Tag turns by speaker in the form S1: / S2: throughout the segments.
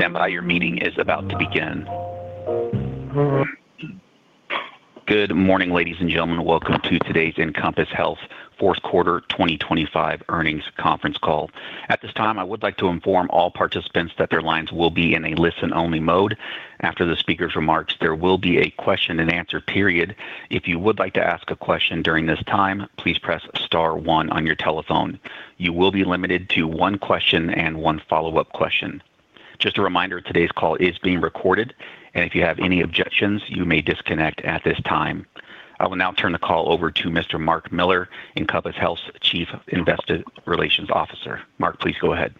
S1: Stand by, your meeting is about to begin. Good morning, ladies and gentlemen. Welcome to today's Encompass Health Fourth Quarter 2025 Earnings Conference Call. At this time, I would like to inform all participants that their lines will be in a listen-only mode. After the speaker's remarks, there will be a question-and-answer period. If you would like to ask a question during this time, please press star one on your telephone. You will be limited to one question and one follow-up question. Just a reminder, today's call is being recorded, and if you have any objections, you may disconnect at this time. I will now turn the call over to Mr. Mark Miller, Encompass Health's Chief Investor Relations Officer. Mark, please go ahead.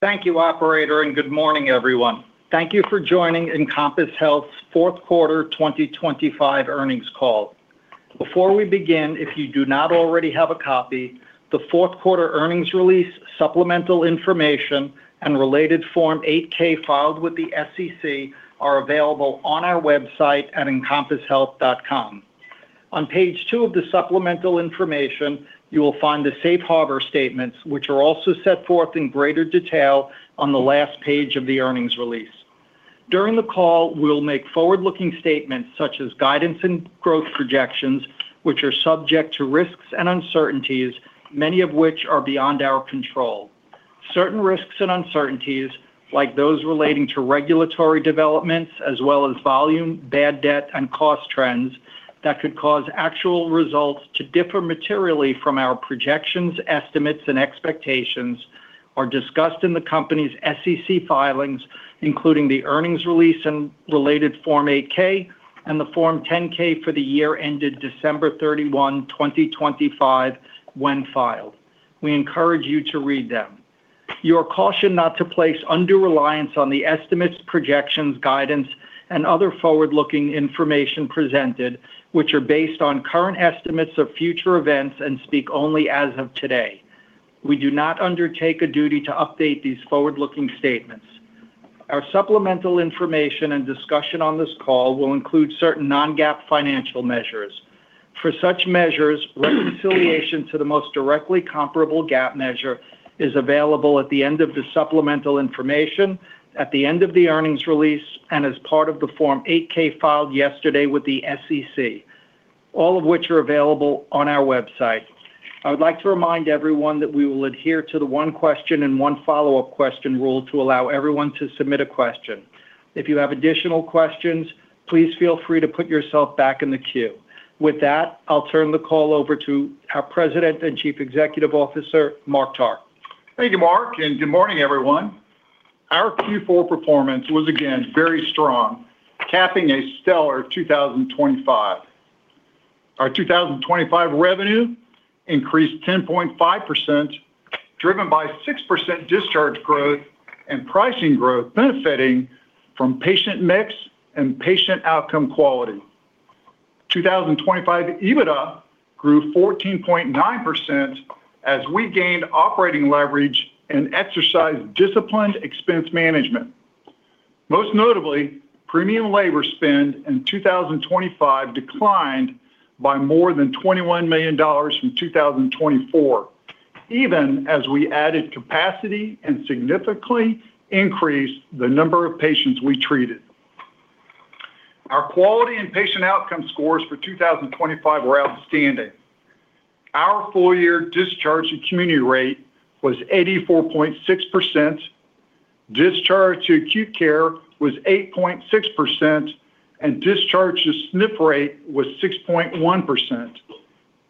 S2: Thank you, operator, and good morning, everyone. Thank you for joining Encompass Health's fourth quarter 2025 earnings call. Before we begin, if you do not already have a copy, the fourth quarter earnings release, supplemental information, and related Form 8-K filed with the SEC are available on our website at encompasshealth.com. On page two of the supplemental information, you will find the safe harbor statements, which are also set forth in greater detail on the last page of the earnings release. During the call, we'll make forward-looking statements such as guidance and growth projections, which are subject to risks and uncertainties, many of which are beyond our control. Certain risks and uncertainties, like those relating to regulatory developments, as well as volume, bad debt, and cost trends that could cause actual results to differ materially from our projections, estimates, and expectations, are discussed in the company's SEC filings, including the earnings release and related Form 8-K and the Form 10-K for the year ended December 31, 2025, when filed. We encourage you to read them. You are cautioned not to place undue reliance on the estimates, projections, guidance, and other forward-looking information presented, which are based on current estimates of future events and speak only as of today. We do not undertake a duty to update these forward-looking statements. Our supplemental information and discussion on this call will include certain non-GAAP financial measures. For such measures, reconciliation to the most directly comparable GAAP measure is available at the end of the supplemental information, at the end of the earnings release, and as part of the Form 8-K filed yesterday with the SEC, all of which are available on our website. I would like to remind everyone that we will adhere to the one question and one follow-up question rule to allow everyone to submit a question. If you have additional questions, please feel free to put yourself back in the queue. With that, I'll turn the call over to our President and Chief Executive Officer, Mark Tarr.
S3: Thank you, Mark, and good morning, everyone. Our Q4 performance was again very strong, capping a stellar 2025. Our 2025 revenue increased 10.5%, driven by 6% discharge growth and pricing growth, benefiting from patient mix and patient outcome quality. 2025 EBITDA grew 14.9% as we gained operating leverage and exercised disciplined expense management. Most notably, premium labor spend in 2025 declined by more than $21 million from 2024, even as we added capacity and significantly increased the number of patients we treated. Our quality and patient outcome scores for 2025 were outstanding. Our full year discharge to community rate was 84.6%, discharge to acute care was 8.6%, and discharge to SNF rate was 6.1%.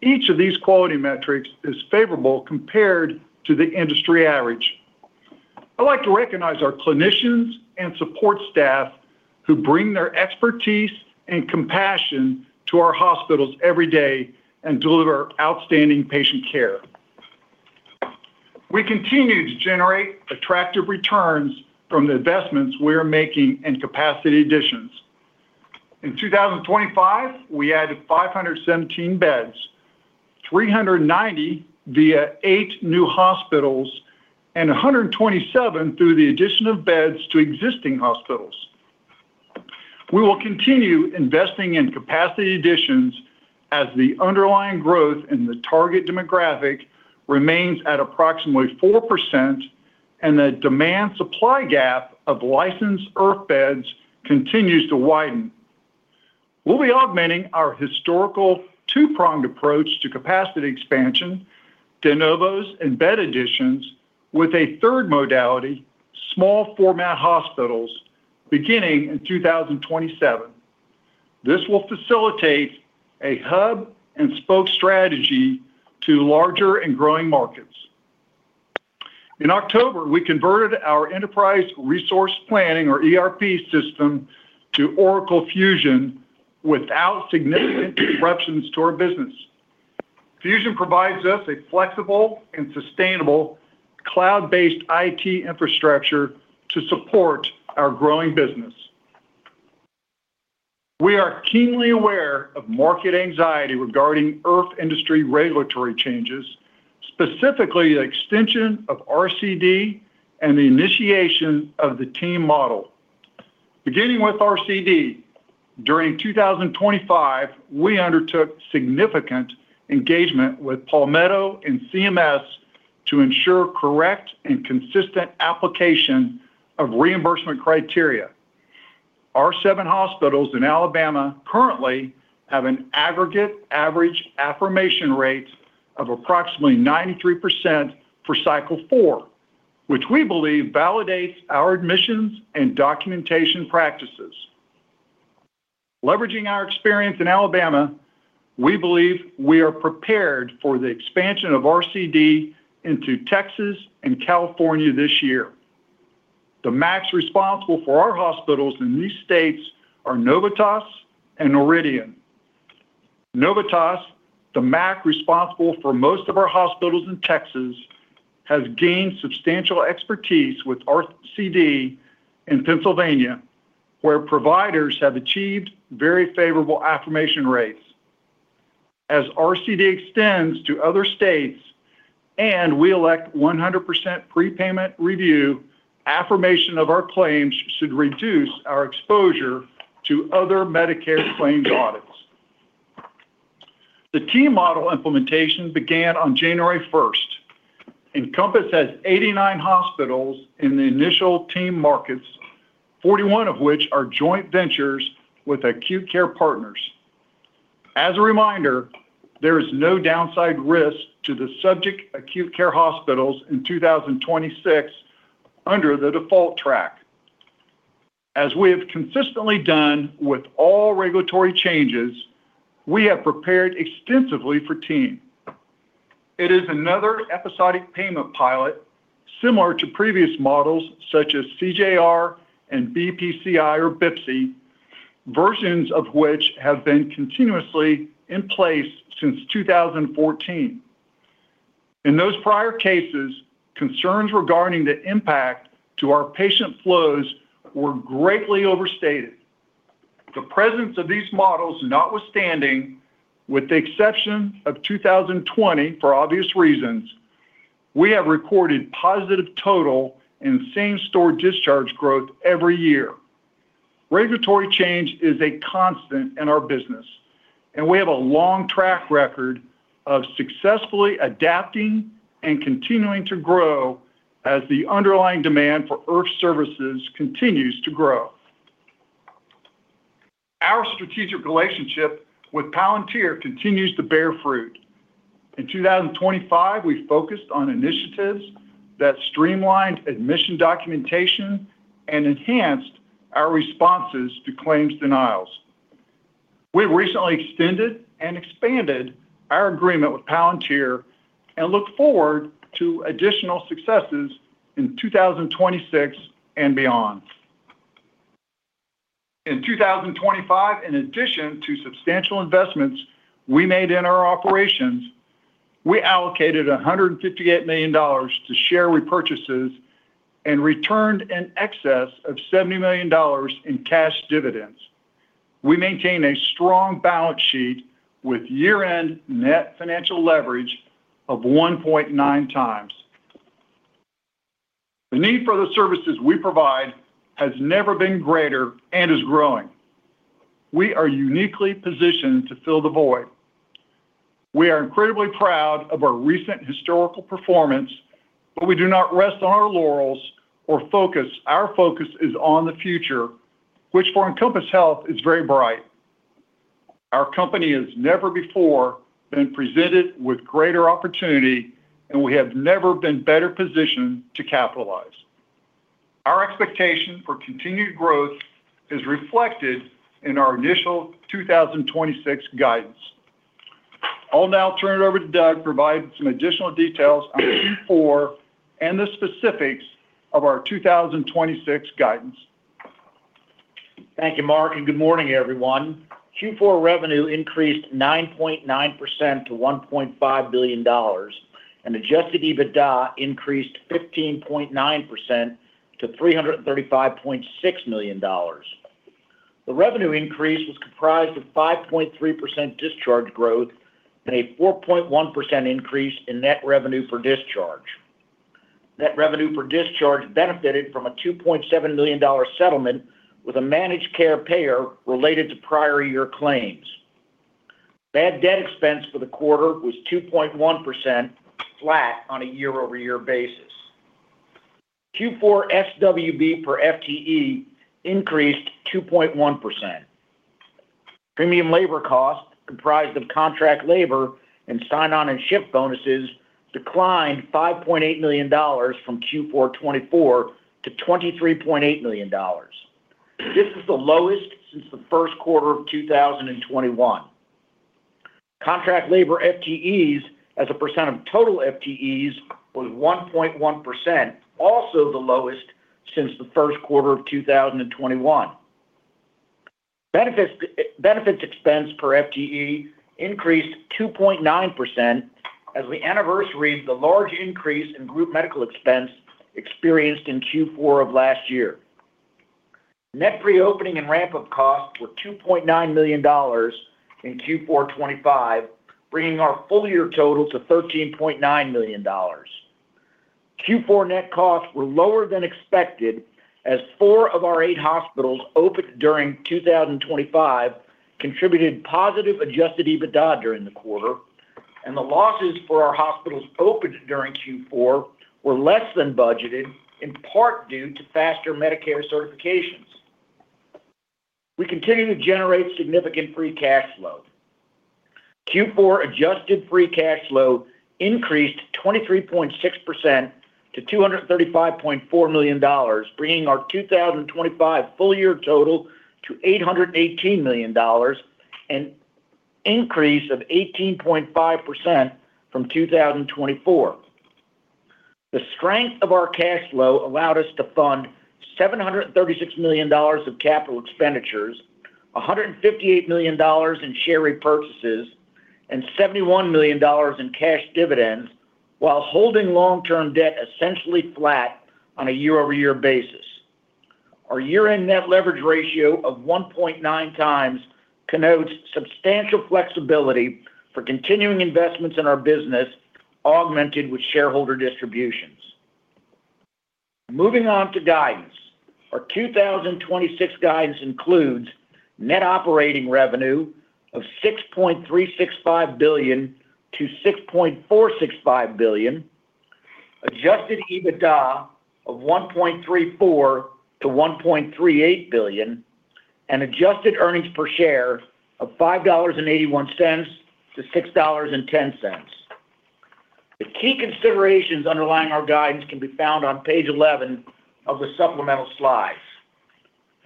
S3: Each of these quality metrics is favorable compared to the industry average. I'd like to recognize our clinicians and support staff who bring their expertise and compassion to our hospitals every day and deliver outstanding patient care. We continue to generate attractive returns from the investments we are making in capacity additions. In 2025, we added 517 beds, 390 via eight new hospitals, and 127 through the addition of beds to existing hospitals. We will continue investing in capacity additions as the underlying growth in the target demographic remains at approximately 4%, and the demand-supply gap of licensed IRF beds continues to widen. We'll be augmenting our historical two-pronged approach to capacity expansion, de novos and bed additions, with a third modality, small format hospitals, beginning in 2027. This will facilitate a hub and spoke strategy to larger and growing markets. In October, we converted our enterprise resource planning, or ERP, system to Oracle Fusion without significant disruptions to our business. Fusion provides us a flexible and sustainable cloud-based IT infrastructure to support our growing business. We are keenly aware of market anxiety regarding IRF industry regulatory changes, specifically the extension of RCD and the initiation of the TEAM model. Beginning with RCD. During 2025, we undertook significant engagement with Palmetto and CMS to ensure correct and consistent application of reimbursement criteria. Our seven hospitals in Alabama currently have an aggregate average affirmation rate of approximately 93% for cycle four, which we believe validates our admissions and documentation practices. Leveraging our experience in Alabama, we believe we are prepared for the expansion of RCD into Texas and California this year. The MACs responsible for our hospitals in these states are Novitas and Noridian. Novitas, the MAC responsible for most of our hospitals in Texas, has gained substantial expertise with RCD in Pennsylvania, where providers have achieved very favorable affirmation rates. As RCD extends to other states and we elect 100% prepayment review, affirmation of our claims should reduce our exposure to other Medicare claims audits. The TEAM model implementation began on January 1st. Encompass has 89 hospitals in the initial TEAM markets, 41 of which are joint ventures with acute care partners. As a reminder, there is no downside risk to the subject acute care hospitals in 2026 under the default track. As we have consistently done with all regulatory changes, we have prepared extensively for TEAM. It is another episodic payment pilot, similar to previous models such as CJR and BPCI or BPCI, versions of which have been continuously in place since 2014. In those prior cases, concerns regarding the impact to our patient flows were greatly overstated. The presence of these models notwithstanding, with the exception of 2020, for obvious reasons, we have recorded positive total and same-store discharge growth every year. Regulatory change is a constant in our business, and we have a long track record of successfully adapting and continuing to grow as the underlying demand for IRF services continues to grow. Our strategic relationship with Palantir continues to bear fruit. In 2025, we focused on initiatives that streamlined admission documentation and enhanced our responses to claims denials. We recently extended and expanded our agreement with Palantir and look forward to additional successes in 2026 and beyond. In 2025, in addition to substantial investments we made in our operations, we allocated $158 million to share repurchases and returned in excess of $70 million in cash dividends. We maintain a strong balance sheet with year-end net financial leverage of 1.9x. The need for the services we provide has never been greater and is growing. We are uniquely positioned to fill the void. We are incredibly proud of our recent historical performance, but we do not rest on our laurels or focus. Our focus is on the future, which for Encompass Health, is very bright. Our company has never before been presented with greater opportunity, and we have never been better positioned to capitalize. Our expectation for continued growth is reflected in our initial 2026 guidance. I'll now turn it over to Doug to provide some additional details on Q4 and the specifics of our 2026 guidance.
S4: Thank you, Mark, and good morning, everyone. Q4 revenue increased 9.9% to $1.5 billion, and adjusted EBITDA increased 15.9% to $335.6 million. The revenue increase was comprised of 5.3% discharge growth and a 4.1% increase in net revenue per discharge. Net revenue per discharge benefited from a $2.7 million settlement with a managed care payer related to prior year claims. Bad debt expense for the quarter was 2.1%, flat on a year-over-year basis. Q4 SWB per FTE increased 2.1%. Premium labor cost, comprised of contract labor and sign-on and shift bonuses, declined $5.8 million from Q4 2024 to $23.8 million. This is the lowest since the first quarter of 2021. Contract labor FTEs as a percent of total FTEs was 1.1%, also the lowest since the first quarter of 2021. Benefits, benefits expense per FTE increased 2.9% as we anniversaried the large increase in group medical expense experienced in Q4 of last year. Net reopening and ramp-up costs were $2.9 million in Q4 2025, bringing our full-year total to $13.9 million. Q4 net costs were lower than expected, as four of our 8 hospitals opened during 2025, contributed positive adjusted EBITDA during the quarter, and the losses for our hospitals opened during Q4 were less than budgeted, in part due to faster Medicare certifications. We continue to generate significant free cash flow. Q4 adjusted free cash flow increased 23.6% to $235.4 million, bringing our 2025 full year total to $818 million, an increase of 18.5% from 2024. The strength of our cash flow allowed us to fund $736 million of capital expenditures, $158 million in share repurchases, and $71 million in cash dividends, while holding long-term debt essentially flat on a year-over-year basis. Our year-end net leverage ratio of 1.9x connotes substantial flexibility for continuing investments in our business, augmented with shareholder distributions. Moving on to guidance. Our 2026 guidance includes net operating revenue of $6.365 billion-$6.465 billion, adjusted EBITDA of $1.34 billion-$1.38 billion, and adjusted earnings per share of $5.81-$6.10. The key considerations underlying our guidance can be found on page 11 of the supplemental slides.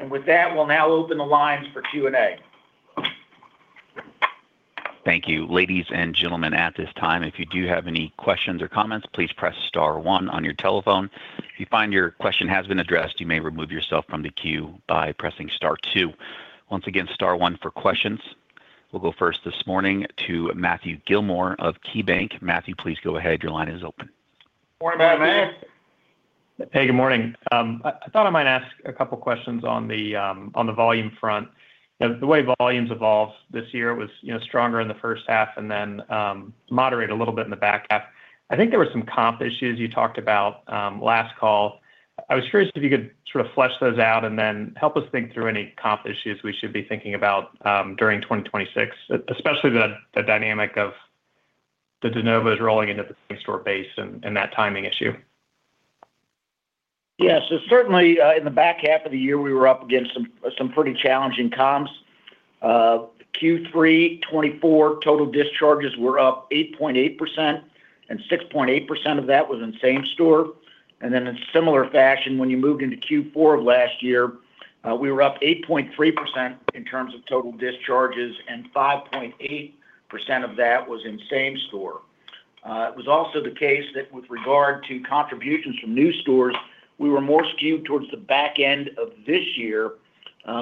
S4: With that, we'll now open the lines for Q&A.
S1: Thank you. Ladies and gentlemen, at this time, if you do have any questions or comments, please press star one on your telephone. If you find your question has been addressed, you may remove yourself from the queue by pressing star two. Once again, star one for questions. We'll go first this morning to Matthew Gillmor of KeyBank. Matthew, please go ahead. Your line is open.
S3: Morning, Matt.
S5: Hey, good morning. I thought I might ask a couple of questions on the volume front. The way volumes evolved this year was, you know, stronger in the first half and then moderate a little bit in the back half. I think there were some comp issues you talked about last call. I was curious if you could sort of flesh those out and then help us think through any comp issues we should be thinking about during 2026, especially the dynamic of the de novos rolling into the same store base and that timing issue.
S4: Yeah. So certainly, in the back half of the year, we were up against some pretty challenging comps. Q3 2024 total discharges were up 8.8%, and 6.8% of that was in same store. And then in similar fashion, when you moved into Q4 of last year, we were up 8.3% in terms of total discharges, and 5.8% of that was in same store. It was also the case that with regard to contributions from new stores, we were more skewed towards the back end of this year,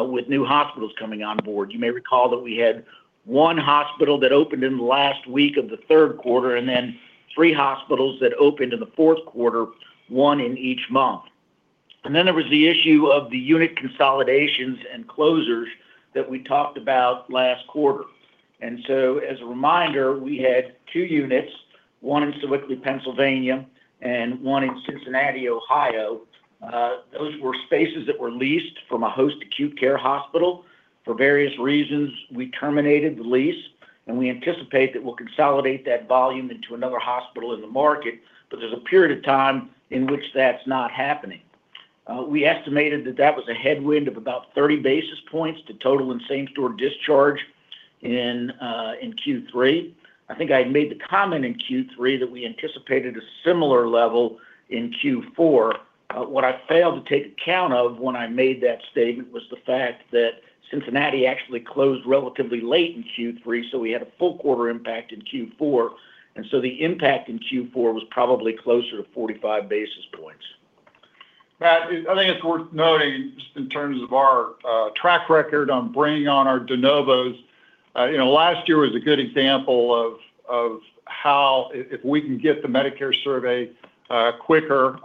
S4: with new hospitals coming on board. You may recall that we had one hospital that opened in the last week of the third quarter, and then three hospitals that opened in the fourth quarter, one in each month. And then there was the issue of the unit consolidations and closures that we talked about last quarter. And so as a reminder, we had two units, one in Sewickley, Pennsylvania, and one in Cincinnati, Ohio. Those were spaces that were leased from a host acute care hospital. For various reasons, we terminated the lease, and we anticipate that we'll consolidate that volume into another hospital in the market, but there's a period of time in which that's not happening. We estimated that that was a headwind of about 30 basis points to total and same-store discharge in Q3. I think I made the comment in Q3 that we anticipated a similar level in Q4. What I failed to take account of when I made that statement was the fact that Cincinnati actually closed relatively late in Q3, so we had a full quarter impact in Q4, and so the impact in Q4 was probably closer to 45 basis points.
S3: Matt, I think it's worth noting, just in terms of our track record on bringing on our de novos. You know, last year was a good example of how if we can get the Medicare survey quicker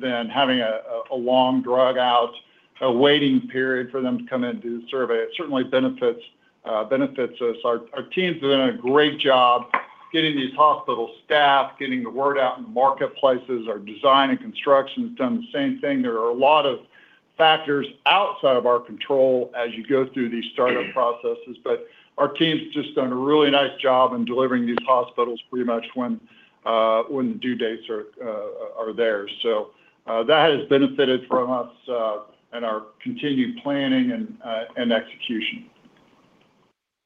S3: than having a long drag out waiting period for them to come in and do the survey, it certainly benefits us. Our TEAMs are doing a great job getting these hospital staffed, getting the word out in the marketplaces. Our design and construction has done the same thing. There are a lot of factors outside of our control as you go through these startup processes, but our team's just done a really nice job in delivering these hospitals pretty much when the due dates are there. So, that has benefited from us, and our continued planning and execution.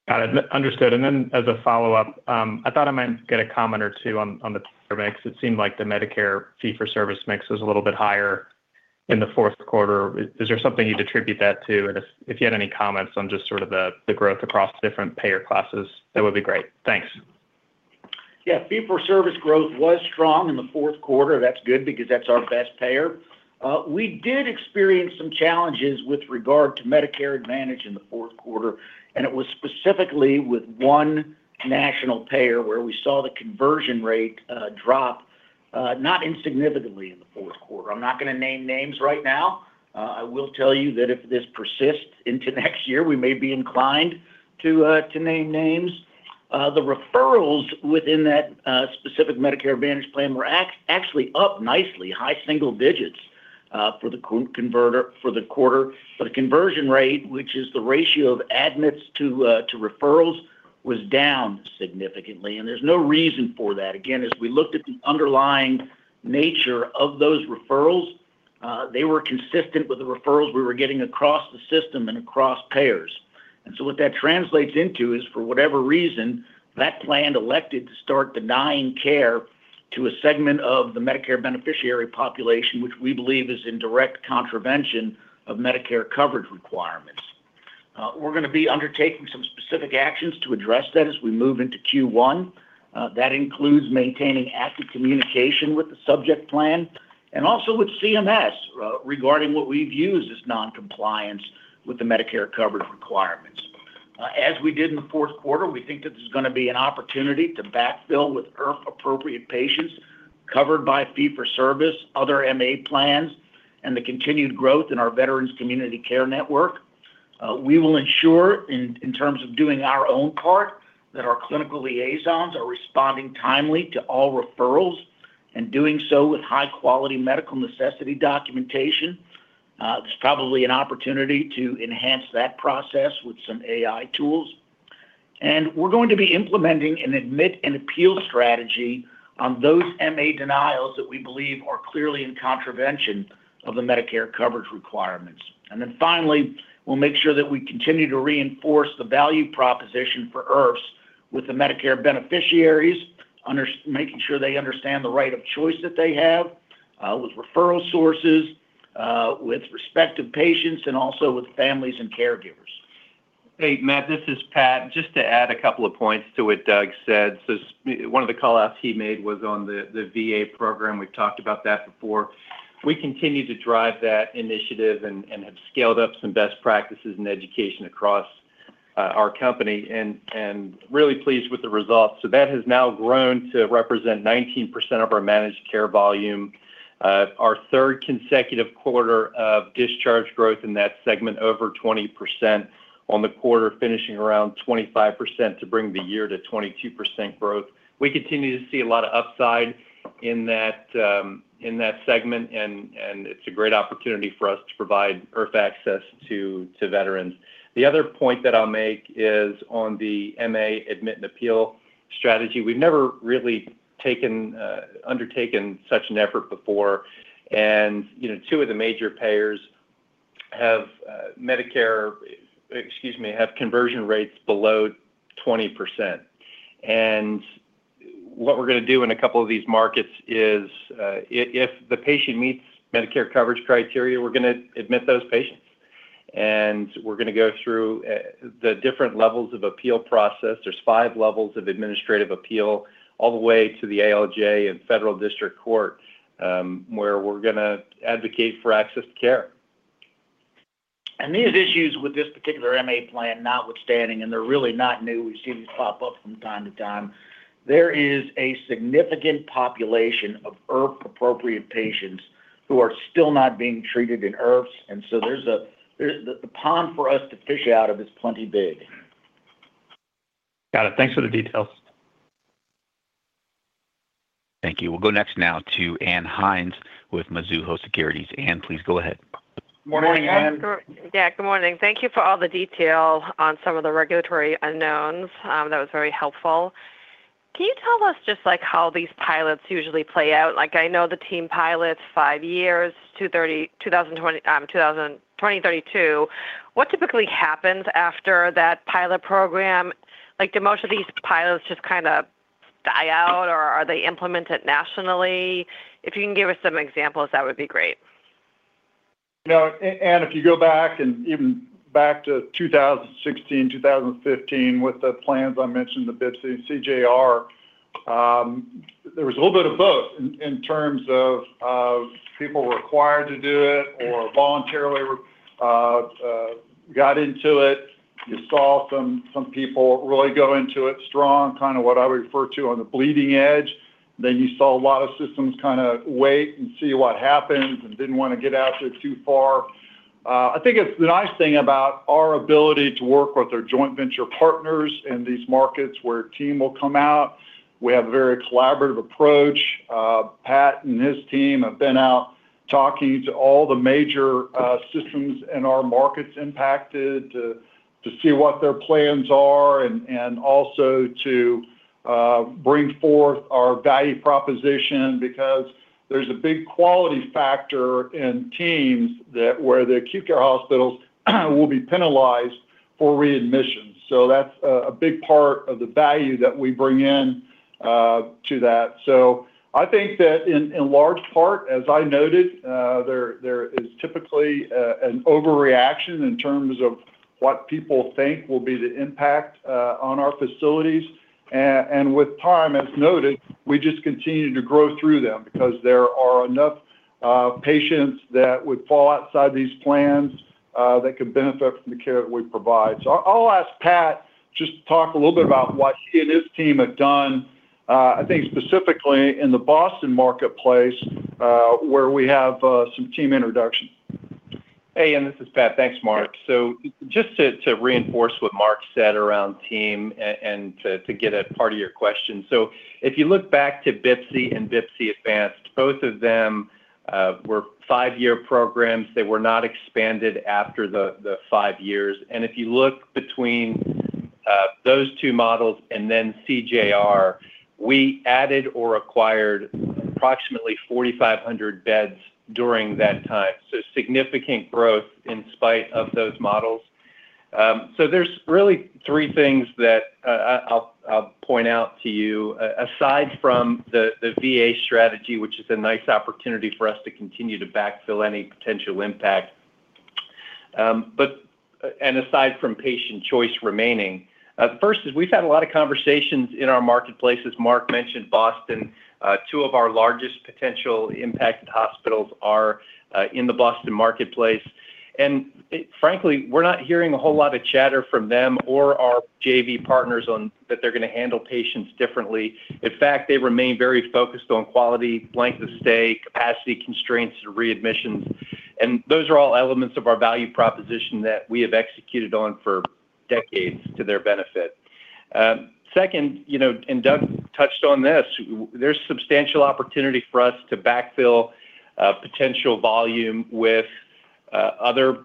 S5: Got it. Understood. And then as a follow-up, I thought I might get a comment or two on, on the payer mix. It seemed like the Medicare fee-for-service mix was a little bit higher in the fourth quarter. Is there something you'd attribute that to? And if, if you had any comments on just sort of the, the growth across different payer classes, that would be great. Thanks.
S4: Yeah, fee-for-service growth was strong in the fourth quarter. That's good because that's our best payer. We did experience some challenges with regard to Medicare Advantage in the fourth quarter, and it was specifically with one national payer, where we saw the conversion rate drop not insignificantly in the fourth quarter. I'm not going to name names right now. I will tell you that if this persists into next year, we may be inclined to name names. The referrals within that specific Medicare Advantage plan were actually up nicely, high single digits for the quarter. But the conversion rate, which is the ratio of admits to referrals, was down significantly, and there's no reason for that. Again, as we looked at the underlying nature of those referrals, they were consistent with the referrals we were getting across the system and across payers. And so what that translates into is, for whatever reason, that plan elected to start denying care to a segment of the Medicare beneficiary population, which we believe is in direct contravention of Medicare coverage requirements. We're going to be undertaking some specific actions to address that as we move into Q1. That includes maintaining active communication with the subject plan and also with CMS, regarding what we view as this non-compliance with the Medicare coverage requirements. As we did in the fourth quarter, we think that there's going to be an opportunity to backfill with IRF-appropriate patients covered by fee-for-service, other MA plans, and the continued growth in our veterans community care network. We will ensure, in terms of doing our own part, that our clinical liaisons are responding timely to all referrals and doing so with high-quality medical necessity documentation. There's probably an opportunity to enhance that process with some AI tools, and we're going to be implementing an admit and appeal strategy on those MA denials that we believe are clearly in contravention of the Medicare coverage requirements. And then finally, we'll make sure that we continue to reinforce the value proposition for IRFs with the Medicare beneficiaries, under, making sure they understand the right of choice that they have, with referral sources, with respective patients, and also with families and caregivers.
S6: Hey, Matt, this is Pat. Just to add a couple of points to what Doug said. So one of the call-outs he made was on the VA program. We've talked about that before. We continue to drive that initiative and have scaled up some best practices and education across our company, and really pleased with the results. So that has now grown to represent 19% of our managed care volume. Our third consecutive quarter of discharge growth in that segment, over 20% on the quarter, finishing around 25% to bring the year to 22% growth. We continue to see a lot of upside in that segment, and it's a great opportunity for us to provide IRF access to veterans. The other point that I'll make is on the MA admit and appeal strategy. We've never really undertaken such an effort before. And, you know, two of the major payers have, Medicare, excuse me, have conversion rates below 20%. And what we're gonna do in a couple of these markets is, if the patient meets Medicare coverage criteria, we're gonna admit those patients, and we're gonna go through the different levels of appeal process. There's five levels of administrative appeal, all the way to the ALJ and federal district court, where we're gonna advocate for access to care.
S4: These issues with this particular MA plan notwithstanding, and they're really not new, we've seen them pop up from time to time. There is a significant population of IRF-appropriate patients who are still not being treated in IRFs, and so there's the pond for us to fish out of is plenty big.
S5: Got it. Thanks for the details.
S1: Thank you. We'll go next now to Ann Hynes with Mizuho Securities. Ann, please go ahead.
S3: Good morning, Ann.
S7: Yeah, good morning. Thank you for all the detail on some of the regulatory unknowns. That was very helpful. Can you tell us just, like, how these pilots usually play out? Like, I know the TEAM pilot, five years, 2030, 2020, 2032. What typically happens after that pilot program? Like, do most of these pilots just kinda die out, or are they implemented nationally? If you can give us some examples, that would be great.
S3: You know, and if you go back and even back to 2016, 2015, with the plans I mentioned, the BPCI, CJR, there was a little bit of both in terms of people required to do it or voluntarily got into it. You saw some people really go into it strong, kind of what I refer to on the bleeding edge. Then you saw a lot of systems kind of wait and see what happens and didn't want to get out there too far. I think it's the nice thing about our ability to work with our joint venture partners in these markets where TEAM will come out. We have a very collaborative approach. Pat and his team have been out talking to all the major systems in our markets impacted to see what their plans are and also to bring forth our value proposition, because there's a big quality factor in TEAMs that where the acute care hospitals will be penalized for readmissions. So that's a big part of the value that we bring in to that. So I think that in large part, as I noted, there is typically an overreaction in terms of what people think will be the impact on our facilities. And with time, as noted, we just continue to grow through them because there are enough patients that would fall outside these plans that could benefit from the care that we provide. So I'll ask Pat just to talk a little bit about what he and his team have done, I think specifically in the Boston marketplace, where we have some TEAM introduction....
S6: Hey, and this is Pat. Thanks, Mark. So just to reinforce what Mark said around TEAM and to get at part of your question. So if you look back to BPCI and BPCI Advanced, both of them were five-year programs. They were not expanded after the five years. And if you look between those two models and then CJR, we added or acquired approximately 4,500 beds during that time. So significant growth in spite of those models. So there's really three things that I'll point out to you. Aside from the VA strategy, which is a nice opportunity for us to continue to backfill any potential impact. And aside from patient choice remaining, first is we've had a lot of conversations in our marketplace, as Mark mentioned, Boston. Two of our largest potential impacted hospitals are in the Boston marketplace. And, frankly, we're not hearing a whole lot of chatter from them or our JV partners on that they're going to handle patients differently. In fact, they remain very focused on quality, length of stay, capacity, constraints, and readmissions, and those are all elements of our value proposition that we have executed on for decades to their benefit. Second, you know, and Doug touched on this, there's substantial opportunity for us to backfill potential volume with other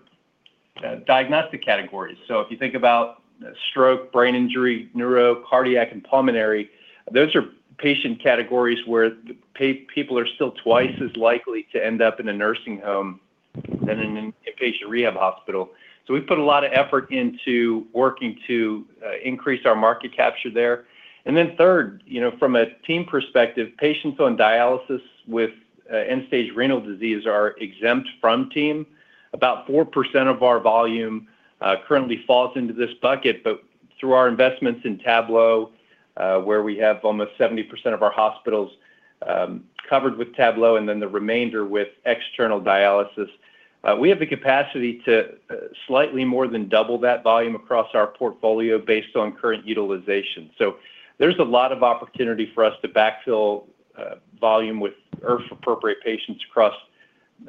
S6: diagnostic categories. So if you think about stroke, brain injury, neuro, cardiac, and pulmonary, those are patient categories where people are still twice as likely to end up in a nursing home than in an inpatient rehab hospital. So we've put a lot of effort into working to increase our market capture there. Then third, you know, from a TEAM perspective, patients on dialysis with end-stage renal disease are exempt from TEAM. About 4% of our volume currently falls into this bucket, but through our investments in Tablo, where we have almost 70% of our hospitals covered with Tablo, and then the remainder with external dialysis. We have the capacity to slightly more than double that volume across our portfolio based on current utilization. So there's a lot of opportunity for us to backfill volume with IRF-appropriate patients across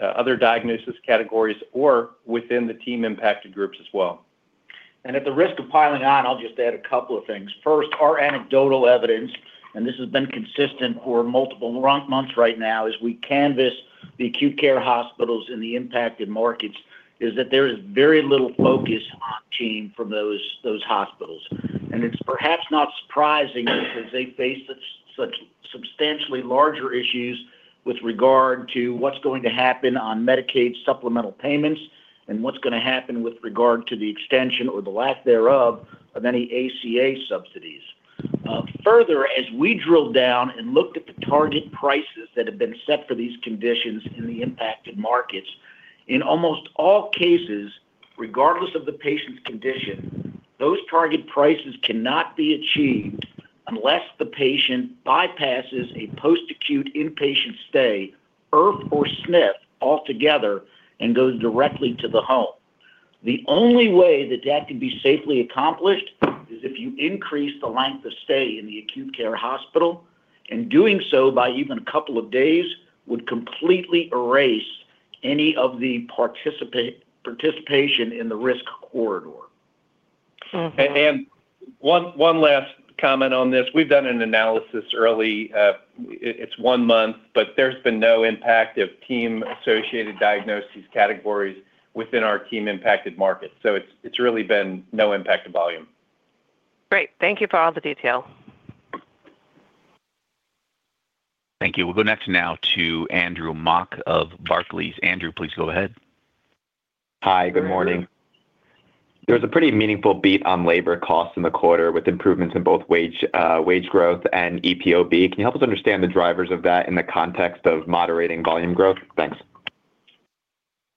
S6: other diagnosis categories or within the TEAM impacted groups as well.
S4: At the risk of piling on, I'll just add a couple of things. First, our anecdotal evidence, and this has been consistent for multiple months right now, as we canvass the acute care hospitals in the impacted markets, is that there is very little focus on TEAM from those, those hospitals. It's perhaps not surprising because they face such, such substantially larger issues with regard to what's going to happen on Medicaid supplemental payments and what's going to happen with regard to the extension or the lack thereof of any ACA subsidies. Further, as we drilled down and looked at the target prices that have been set for these conditions in the impacted markets, in almost all cases, regardless of the patient's condition, those target prices cannot be achieved unless the patient bypasses a post-acute inpatient stay, IRF or SNF altogether, and goes directly to the home. The only way that that can be safely accomplished is if you increase the length of stay in the acute care hospital, and doing so by even a couple of days, would completely erase any of the participation in the risk corridor.
S7: Mm-hmm.
S6: Ann, one last comment on this. We've done an analysis early. It's one month, but there's been no impact of TEAM-associated diagnoses categories within our TEAM-impacted markets, so it's really been no impact to volume.
S7: Great. Thank you for all the detail.
S1: Thank you. We'll go next now to Andrew Mok of Barclays. Andrew, please go ahead.
S8: Hi, good morning. There was a pretty meaningful beat on labor costs in the quarter, with improvements in both wage wage growth and EPOB. Can you help us understand the drivers of that in the context of moderating volume growth? Thanks.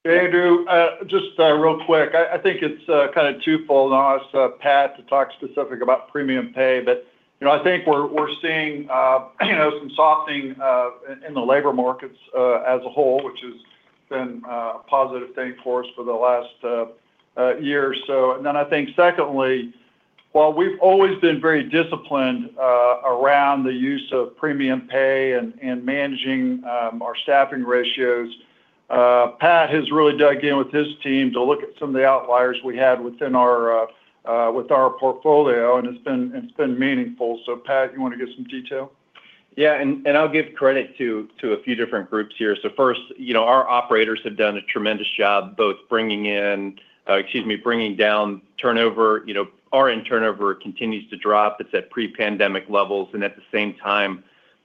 S3: Hey, Andrew. Just real quick, I think it's kinda twofold. And I'll ask Pat to talk specific about premium pay. But you know, I think we're seeing you know, some softening in the labor markets as a whole, which has been a positive thing for us for the last year or so. And then I think secondly, while we've always been very disciplined around the use of premium pay and managing our staffing ratios, Pat has really dug in with his team to look at some of the outliers we had within our portfolio, and it's been meaningful. So, Pat, you want to give some detail?
S6: Yeah, and, and I'll give credit to, to a few different groups here. So first, you know, our operators have done a tremendous job, both bringing in, excuse me, bringing down turnover. You know, RN turnover continues to drop. It's at pre-pandemic levels, and at the same time,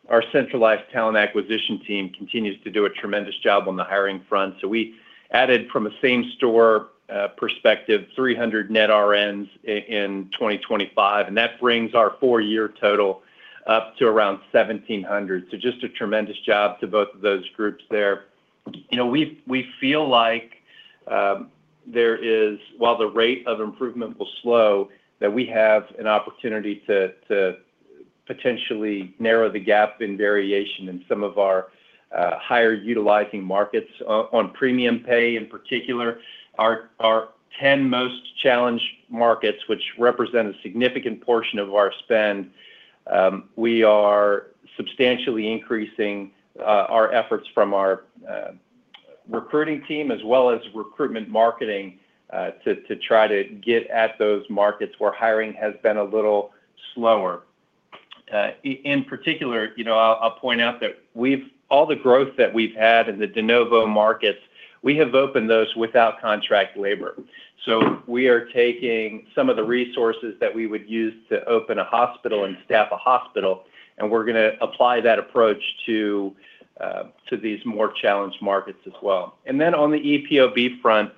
S6: our centralized talent acquisition team continues to do a tremendous job on the hiring front. So we added, from a same-store, perspective, 300 net RNs in 2025, and that brings our four-year total up to around 1,700. So just a tremendous job to both of those groups there. You know, we, we feel like, there is, while the rate of improvement will slow, that we have an opportunity to, to potentially narrow the gap in variation in some of our, higher-utilizing markets on premium pay in particular. Our 10 most challenged markets, which represent a significant portion of our spend. We are substantially increasing our efforts from our recruiting team as well as recruitment marketing, to try to get at those markets where hiring has been a little slower. In particular, you know, I'll point out that all the growth that we've had in the de novo markets, we have opened those without contract labor. So we are taking some of the resources that we would use to open a hospital and staff a hospital, and we're gonna apply that approach to these more challenged markets as well. On the EPOB front,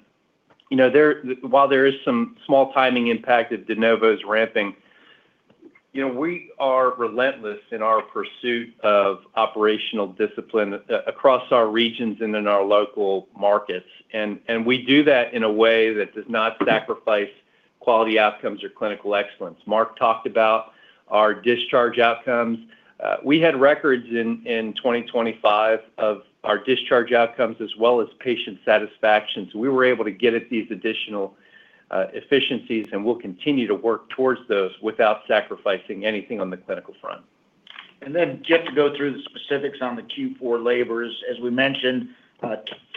S6: you know, there, while there is some small timing impact as de novo is ramping, you know, we are relentless in our pursuit of operational discipline across our regions and in our local markets. And we do that in a way that does not sacrifice quality outcomes or clinical excellence. Mark talked about our discharge outcomes. We had records in 2025 of our discharge outcomes as well as patient satisfaction. So we were able to get at these additional efficiencies, and we'll continue to work towards those without sacrificing anything on the clinical front.
S4: Then just to go through the specifics on the Q4 labors, as we mentioned,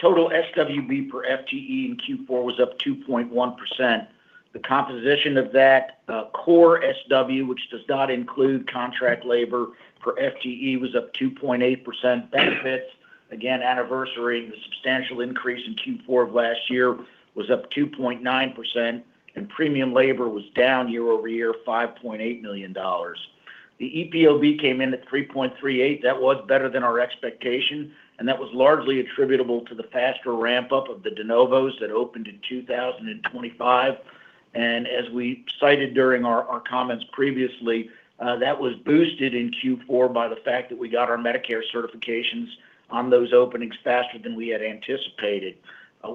S4: total SWB per FTE in Q4 was up 2.1%. The composition of that, core SW, which does not include contract labor for FTE, was up 2.8%. Benefits, again, anniversary, the substantial increase in Q4 of last year was up 2.9%, and premium labor was down year-over-year $5.8 million. The EPOB came in at 3.38. That was better than our expectation, and that was largely attributable to the faster ramp-up of the de novos that opened in 2025. And as we cited during our, our comments previously, that was boosted in Q4 by the fact that we got our Medicare certifications on those openings faster than we had anticipated.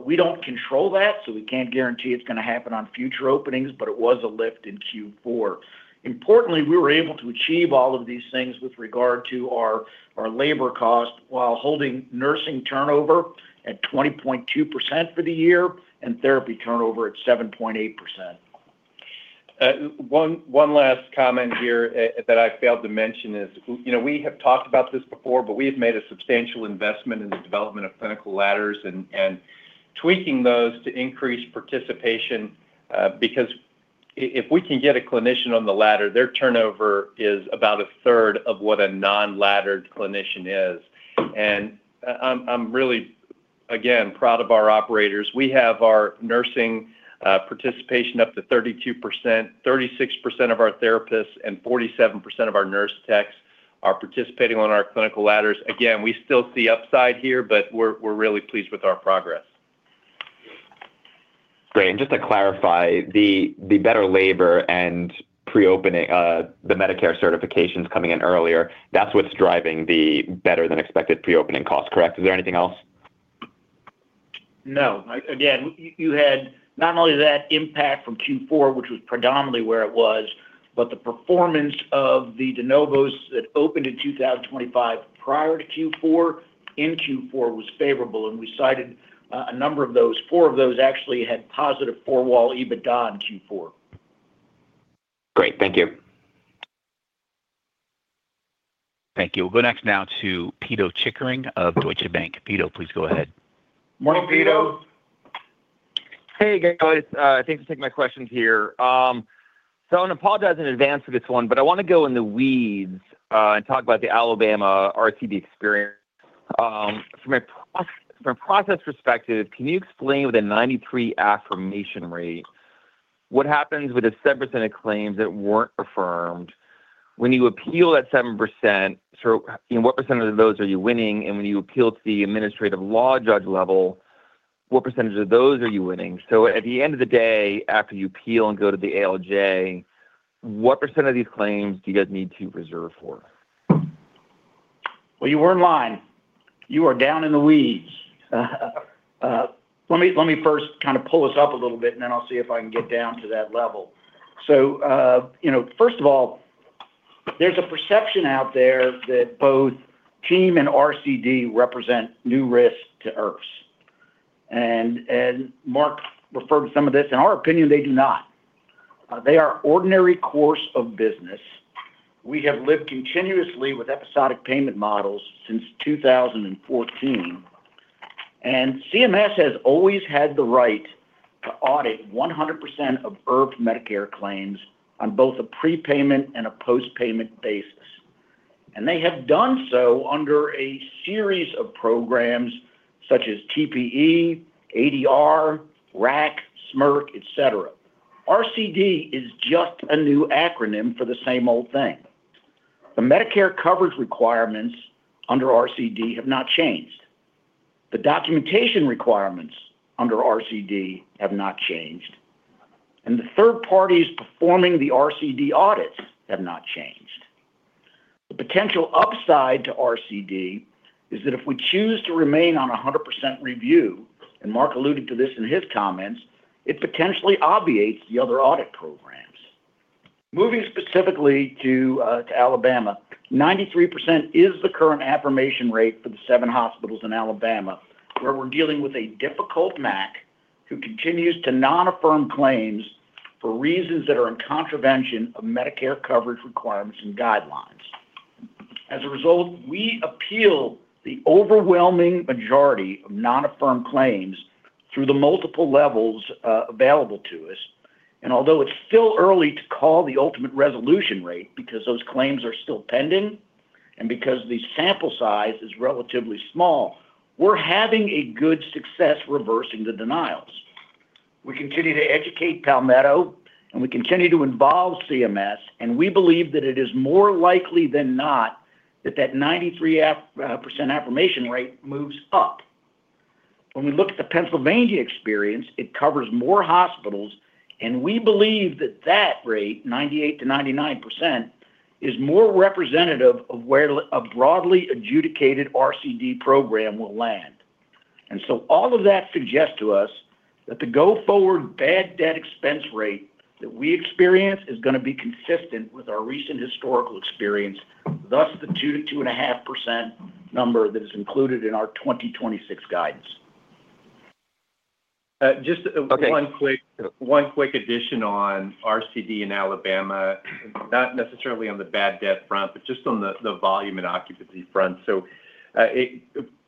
S4: We don't control that, so we can't guarantee it's gonna happen on future openings, but it was a lift in Q4. Importantly, we were able to achieve all of these things with regard to our labor cost, while holding nursing turnover at 20.2% for the year and therapy turnover at 7.8%.
S6: One last comment here, that I failed to mention is, you know, we have talked about this before, but we have made a substantial investment in the development of clinical ladders and tweaking those to increase participation, because if we can get a clinician on the ladder, their turnover is about a third of what a non-laddered clinician is. And I’m really, again, proud of our operators. We have our nursing participation up to 32%, 36% of our therapists, and 47% of our nurse techs are participating on our clinical ladders. Again, we still see upside here, but we’re really pleased with our progress.
S8: Great. And just to clarify, the better labor and preopening, the Medicare certifications coming in earlier, that's what's driving the better-than-expected preopening costs, correct? Is there anything else?
S4: No. Again, you had not only that impact from Q4, which was predominantly where it was, but the performance of the de novos that opened in 2025, prior to Q4, in Q4 was favorable, and we cited a number of those. Four of those actually had positive four-wall EBITDA in Q4.
S8: Great. Thank you.
S1: Thank you. We'll go next now to Pito Chickering of Deutsche Bank. Pito, please go ahead.
S4: Morning, Pito.
S6: Morning, Pito.
S9: Hey, guys. Thanks for taking my questions here. So I want to apologize in advance for this one, but I want to go in the weeds and talk about the Alabama RCD experience. From a process perspective, can you explain with a 93% affirmation rate, what happens with the 7% of claims that weren't affirmed? When you appeal that 7%, what percentage of those are you winning? And when you appeal to the administrative law judge level, what percentage of those are you winning? So at the end of the day, after you appeal and go to the ALJ, what % of these claims do you guys need to reserve for?
S4: Well, you weren't lying. You are down in the weeds. Let me, let me first kind of pull us up a little bit, and then I'll see if I can get down to that level. So, you know, first of all, there's a perception out there that both TEAM and RCD represent new risks to IRFs. And, and Mark referred to some of this. In our opinion, they do not. They are ordinary course of business. We have lived continuously with episodic payment models since 2014, and CMS has always had the right to audit 100% of IRF Medicare claims on both a prepayment and a post-payment basis. And they have done so under a series of programs such as TPE, ADR, RAC, SMRC, et cetera. RCD is just a new acronym for the same old thing. The Medicare coverage requirements under RCD have not changed, the documentation requirements under RCD have not changed, and the third parties performing the RCD audits have not changed. The potential upside to RCD is that if we choose to remain on 100% review, and Mark alluded to this in his comments, it potentially obviates the other audit programs. Moving specifically to Alabama, 93% is the current affirmation rate for the seven hospitals in Alabama, where we're dealing with a difficult MAC, who continues to non-affirm claims for reasons that are in contravention of Medicare coverage requirements and guidelines. As a result, we appeal the overwhelming majority of non-affirm claims through the multiple levels available to us. And although it's still early to call the ultimate resolution rate because those claims are still pending, and because the sample size is relatively small, we're having good success reversing the denials. We continue to educate Palmetto, and we continue to involve CMS, and we believe that it is more likely than not that, that 93% affirmation rate moves up. When we look at the Pennsylvania experience, it covers more hospitals, and we believe that that rate, 98%-99%, is more representative of where a broadly adjudicated RCD program will land. And so all of that suggests to us that the go-forward bad debt expense rate that we experience is gonna be consistent with our recent historical experience, thus the 2%-2.5% number that is included in our 2026 guidance.
S6: Uh, just-
S4: Okay.
S6: One quick addition on RCD in Alabama, not necessarily on the bad debt front, but just on the volume and occupancy front. So, it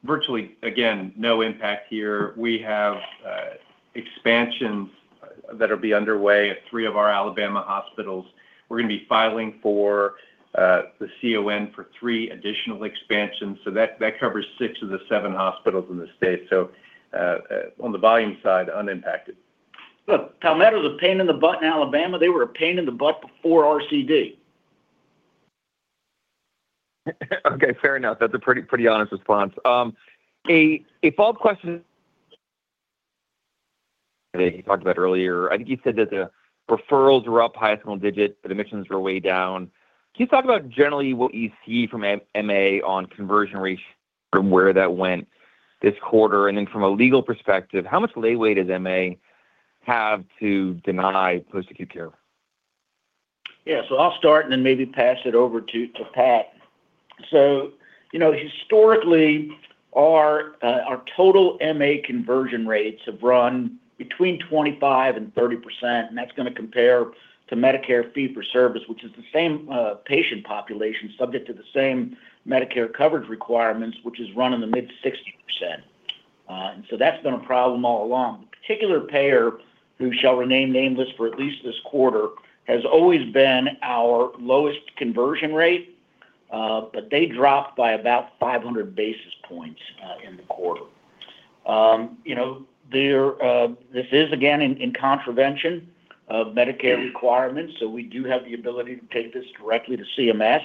S6: virtually, again, no impact here. We have expansions that will be underway at three of our Alabama hospitals. We're gonna be filing for the CON for three additional expansions. So that covers six of the seven hospitals in the state. So, on the volume side, unimpacted.
S4: Look, Palmetto is a pain in the butt in Alabama. They were a pain in the butt before RCD.
S9: Okay, fair enough. That's a pretty, pretty honest response. A follow-up question that you talked about earlier, I think you said that the referrals were up high single digits, but admissions were way down. Can you talk about generally what you see from MA on conversion rates from where that went this quarter, and then from a legal perspective, how much leeway does MA have to deny post-acute care?
S4: Yeah. So I'll start and then maybe pass it over to, to Pat. So, you know, historically, our, our total MA conversion rates have run between 25% and 30%, and that's gonna compare to Medicare fee-for-service, which is the same, patient population, subject to the same Medicare coverage requirements, which is run in the mid-60%. And so that's been a problem all along. Particular payer, who shall remain nameless for at least this quarter, has always been our lowest conversion rate, but they dropped by about 500 basis points, in the quarter. You know, there, this is again, in, in contravention of Medicare requirements, so we do have the ability to take this directly to CMS.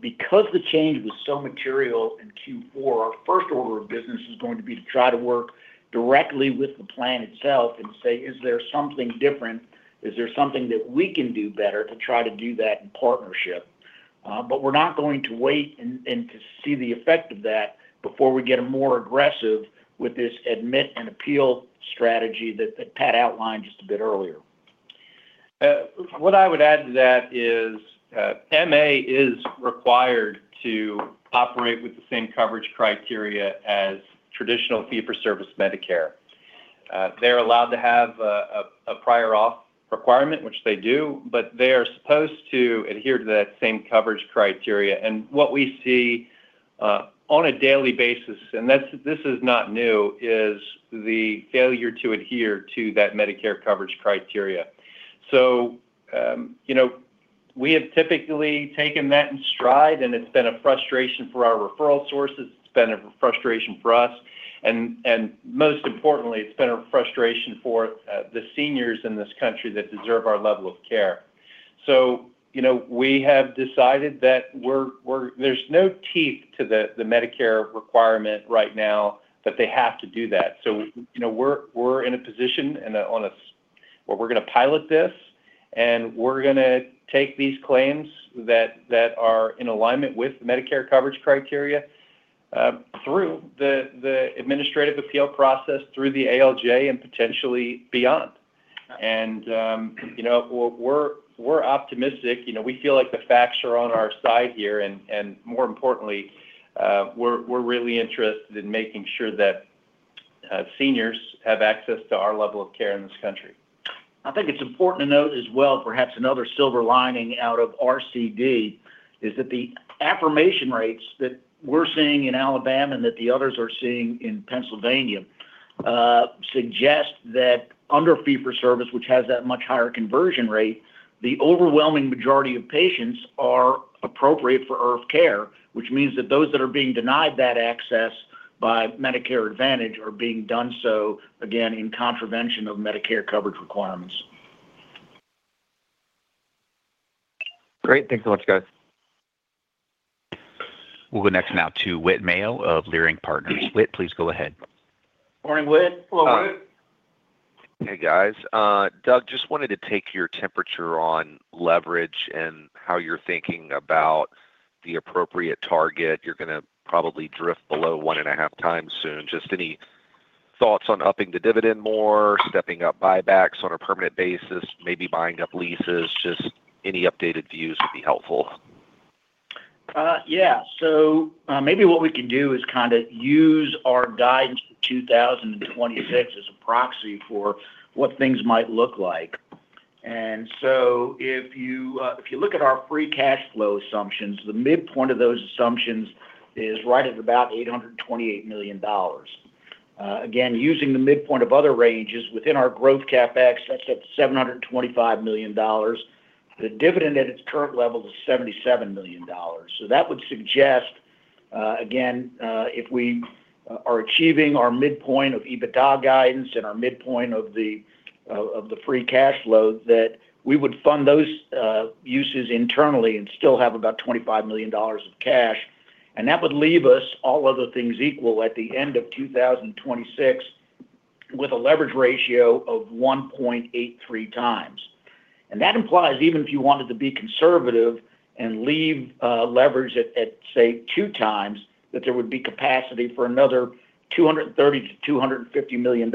S4: Because the change was so material in Q4, our first order of business is going to be to try to work directly with the plan itself and say, "Is there something different? Is there something that we can do better to try to do that in partnership?" But we're not going to wait and to see the effect of that before we get more aggressive with this admit and appeal strategy that Pat outlined just a bit earlier.
S6: What I would add to that is, MA is required to operate with the same coverage criteria as traditional fee-for-service Medicare. They're allowed to have a prior auth requirement, which they do, but they are supposed to adhere to that same coverage criteria. And what we see on a daily basis, and that's—this is not new, is the failure to adhere to that Medicare coverage criteria. So, you know, we have typically taken that in stride, and it's been a frustration for our referral sources, it's been a frustration for us, and, and most importantly, it's been a frustration for the seniors in this country that deserve our level of care. So, you know, we have decided that we're, we're—there's no teeth to the Medicare requirement right now, that they have to do that. So, you know, we're in a position and on a... where we're gonna pilot this, and we're gonna take these claims that are in alignment with Medicare coverage criteria, through the administrative appeal process, through the ALJ and potentially beyond. And, you know, we're optimistic, you know, we feel like the facts are on our side here, and more importantly, we're really interested in making sure that seniors have access to our level of care in this country.
S4: I think it's important to note as well, perhaps another silver lining out of RCD, is that the affirmation rates that we're seeing in Alabama and that the others are seeing in Pennsylvania suggest that under fee-for-service, which has that much higher conversion rate, the overwhelming majority of patients are appropriate for IRF care, which means that those that are being denied that access by Medicare Advantage are being done so, again, in contravention of Medicare coverage requirements.
S9: Great. Thanks so much, guys.
S1: We'll go next now to Whit Mayo of Leerink Partners. Whit, please go ahead.
S4: Morning, Whit.
S3: Hello, Whit.
S6: Hello.
S10: Hey, guys. Doug, just wanted to take your temperature on leverage and how you're thinking about the appropriate target. You're gonna probably drift below 1.5x soon. Just any thoughts on upping the dividend more, stepping up buybacks on a permanent basis, maybe buying up leases? Just any updated views would be helpful. ...
S4: Yeah. So, maybe what we can do is kind of use our guidance 2026 as a proxy for what things might look like. So if you look at our free cash flow assumptions, the midpoint of those assumptions is right at about $828 million. Again, using the midpoint of other ranges within our growth CapEx, that's at $725 million. The dividend at its current level is $77 million. So that would suggest, again, if we are achieving our midpoint of EBITDA guidance and our midpoint of the free cash flow, that we would fund those uses internally and still have about $25 million of cash. That would leave us, all other things equal, at the end of 2026, with a leverage ratio of 1.83x. That implies, even if you wanted to be conservative and leave leverage at, say, 2x, that there would be capacity for another $230 million-$250 million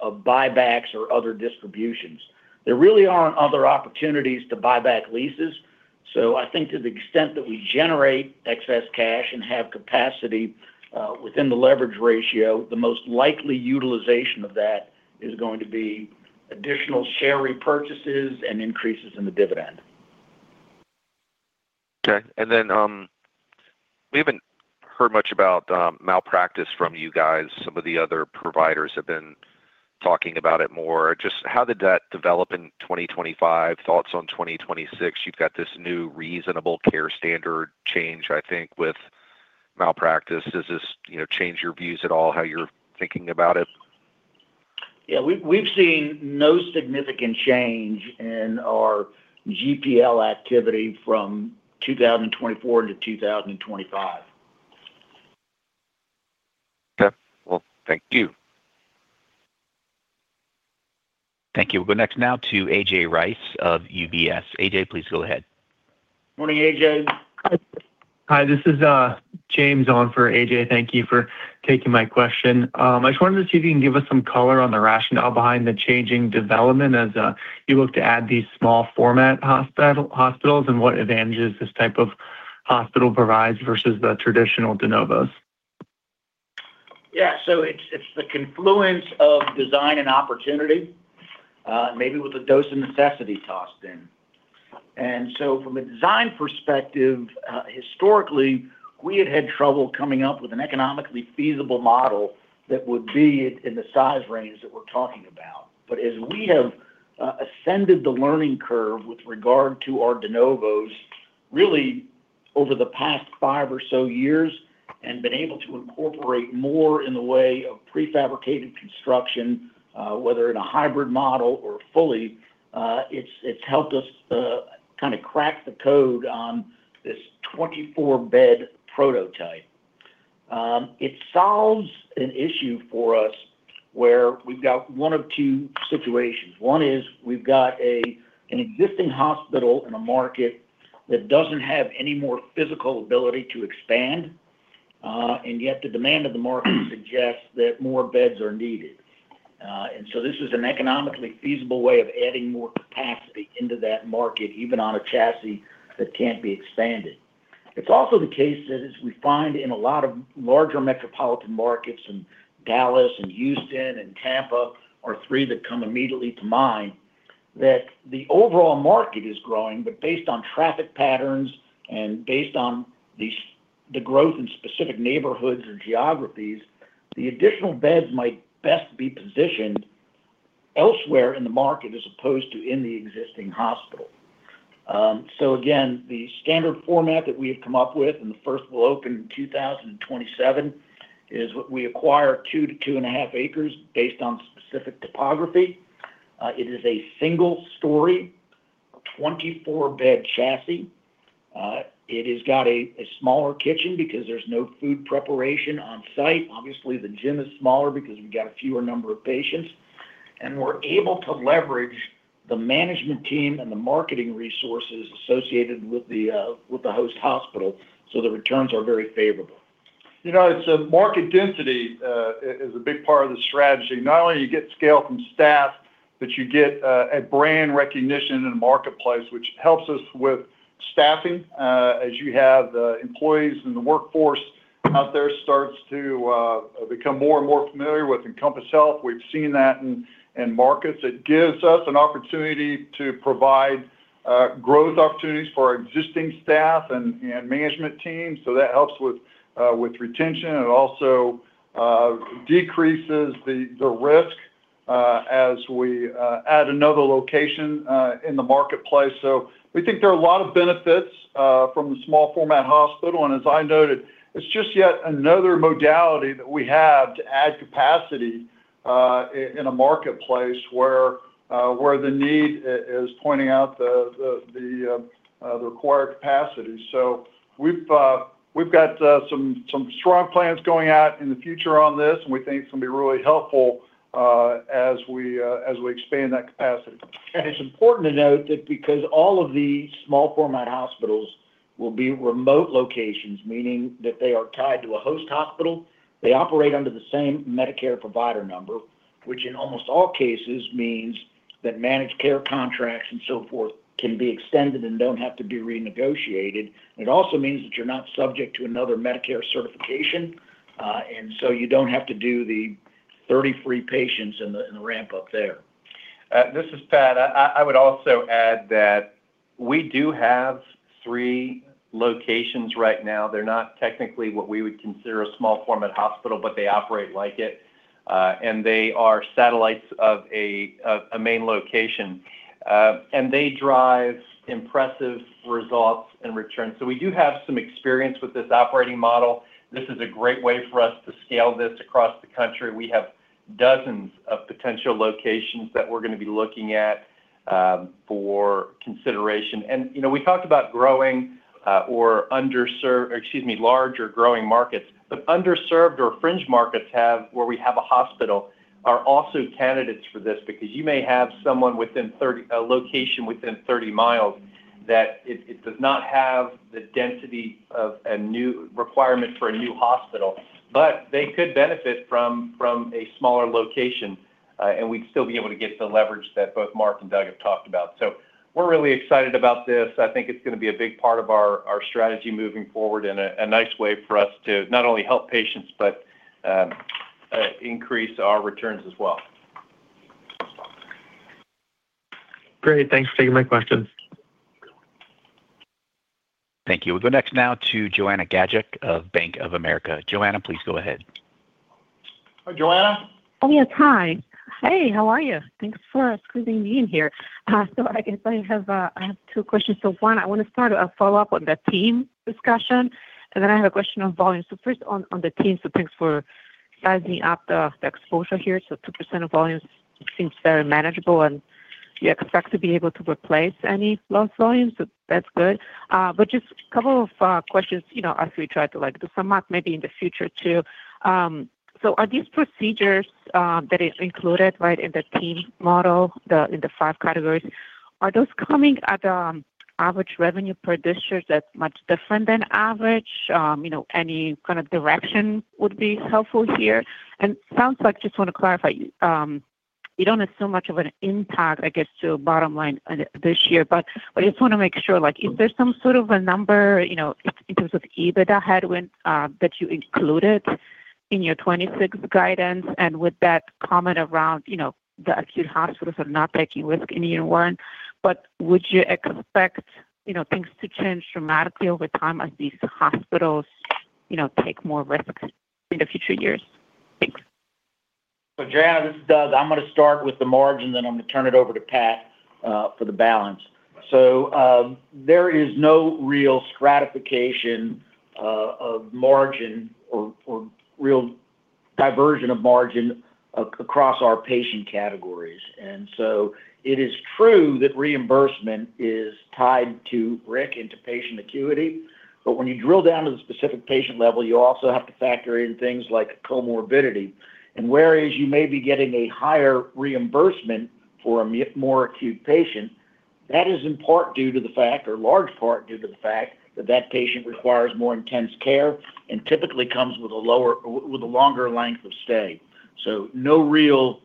S4: of buybacks or other distributions. There really aren't other opportunities to buy back leases. So I think to the extent that we generate excess cash and have capacity within the leverage ratio, the most likely utilization of that is going to be additional share repurchases and increases in the dividend.
S10: Okay. And then, we haven't heard much about malpractice from you guys. Some of the other providers have been talking about it more. Just how did that develop in 2025? Thoughts on 2026. You've got this new reasonable care standard change, I think, with malpractice. Does this, you know, change your views at all, how you're thinking about it?
S4: Yeah, we've seen no significant change in our GPL activity from 2024 to 2025.
S10: Okay. Well, thank you.
S1: Thank you. We'll go next now to A.J. Rice of UBS. A.J., please go ahead.
S4: Morning, AJ.
S11: Hi, this is James on for A.J. Thank you for taking my question. I just wondered if you can give us some color on the rationale behind the changing development as you look to add these small format hospitals, and what advantages this type of hospital provides versus the traditional de novos?
S4: Yeah. So it's the confluence of design and opportunity, maybe with a dose of necessity tossed in. And so from a design perspective, historically, we had had trouble coming up with an economically feasible model that would be in the size range that we're talking about. But as we have ascended the learning curve with regard to our de novos, really over the past five or so years, and been able to incorporate more in the way of prefabricated construction, whether in a hybrid model or fully, it's helped us kind of crack the code on this 24-bed prototype. It solves an issue for us where we've got one of two situations. One is we've got an existing hospital in a market that doesn't have any more physical ability to expand, and yet the demand of the market suggests that more beds are needed. And so this is an economically feasible way of adding more capacity into that market, even on a chassis that can't be expanded. It's also the case that as we find in a lot of larger metropolitan markets, in Dallas and Houston and Tampa, are three that come immediately to mind, that the overall market is growing, but based on traffic patterns and based on the growth in specific neighborhoods or geographies, the additional beds might best be positioned elsewhere in the market as opposed to in the existing hospital. So again, the standard format that we have come up with, and the first will open in 2027, is we acquire 2-2.5 acres based on specific topography. It is a single story, 24-bed chassis. It has got a smaller kitchen because there's no food preparation on site. Obviously, the gym is smaller because we've got a fewer number of patients, and we're able to leverage the management team and the marketing resources associated with the host hospital, so the returns are very favorable.
S3: You know, it's a market density is a big part of the strategy. Not only you get scale from staff, but you get a brand recognition in the marketplace, which helps us with staffing, as you have the employees in the workforce out there starts to become more and more familiar with Encompass Health. We've seen that in markets. It gives us an opportunity to provide growth opportunities for our existing staff and management team. So that helps with retention. It also decreases the risk as we add another location in the marketplace. So we think there are a lot of benefits from the small format hospital, and as I noted, it's just yet another modality that we have to add capacity in a marketplace where the need is pointing out the required capacity. So we've got some strong plans going out in the future on this, and we think it's going to be really helpful as we expand that capacity.
S4: And it's important to note that because all of these small format hospitals will be remote locations, meaning that they are tied to a host hospital, they operate under the same Medicare provider number, which in almost all cases means that managed care contracts and so forth can be extended and don't have to be renegotiated. It also means that you're not subject to another Medicare certification, and so you don't have to do the 30 free patients in the ramp up there.
S6: This is Pat. I would also add that we do have three locations right now. They're not technically what we would consider a small format hospital, but they operate like it. And they drive impressive results and returns. So we do have some experience with this operating model. This is a great way for us to scale this across the country. We have dozens of potential locations that we're going to be looking at for consideration. You know, we talked about growing or underserved, excuse me, large or growing markets, but underserved or fringe markets where we have a hospital are also candidates for this because you may have someone within 30—a location within 30 mi that does not have the density of a new requirement for a new hospital, but they could benefit from a smaller location, and we'd still be able to get the leverage that both Mark and Doug have talked about. So we're really excited about this. I think it's going to be a big part of our strategy moving forward and a nice way for us to not only help patients, but increase our returns as well. Great. Thanks for taking my questions.
S1: Thank you. We'll go next now to Joanna Gajuk of Bank of America. Joanna, please go ahead.
S6: Hi, Joanna.
S12: Oh, yes. Hi. Hey, how are you? Thanks for squeezing me in here. So I guess I have, I have two questions. So one, I want to start a follow-up on the TEAM discussion, and then I have a question on volume. So first on the TEAM, so thanks for sizing up the exposure here. So 2% of volume seems very manageable, and you expect to be able to replace any lost volume. So that's good. But just a couple of questions, you know, as we try to like do some math, maybe in the future, too. So are these procedures that is included, right, in the TEAM model, in the 5 categories, are those coming at average revenue per discharge that's much different than average? You know, any kind of direction would be helpful here. Sounds like, I just want to clarify, you don't have so much of an impact, I guess, to bottom line this year, but I just want to make sure, like, is there some sort of a number, you know, in terms of EBITDA headwind that you included in your 2026 guidance? And with that comment around, you know, the acute hospitals are not taking risk in year one, but would you expect, you know, things to change dramatically over time as these hospitals, you know, take more risks in the future years? Thanks.
S4: So, Joanna, this is Doug. I'm going to start with the margin, then I'm going to turn it over to Pat for the balance. So, there is no real stratification of margin or real diversion of margin across our patient categories. And so it is true that reimbursement is tied to RIC into patient acuity, but when you drill down to the specific patient level, you also have to factor in things like comorbidity. And whereas you may be getting a higher reimbursement for a more acute patient, that is in part due to the fact, or large part, due to the fact that that patient requires more intense care and typically comes with a lower, with a longer length of stay. So no real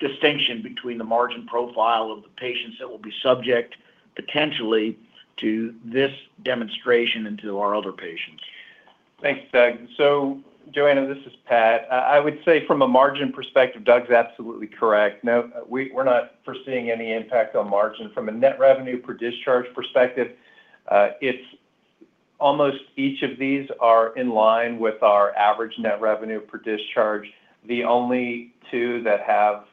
S4: distinction between the margin profile of the patients that will be subject potentially to this demonstration and to our other patients.
S6: Thanks, Doug. So Joanna, this is Pat. I would say from a margin perspective, Doug is absolutely correct. No, we're not foreseeing any impact on margin. From a net revenue per discharge perspective, it's almost each of these are in line with our average net revenue per discharge. The only two that have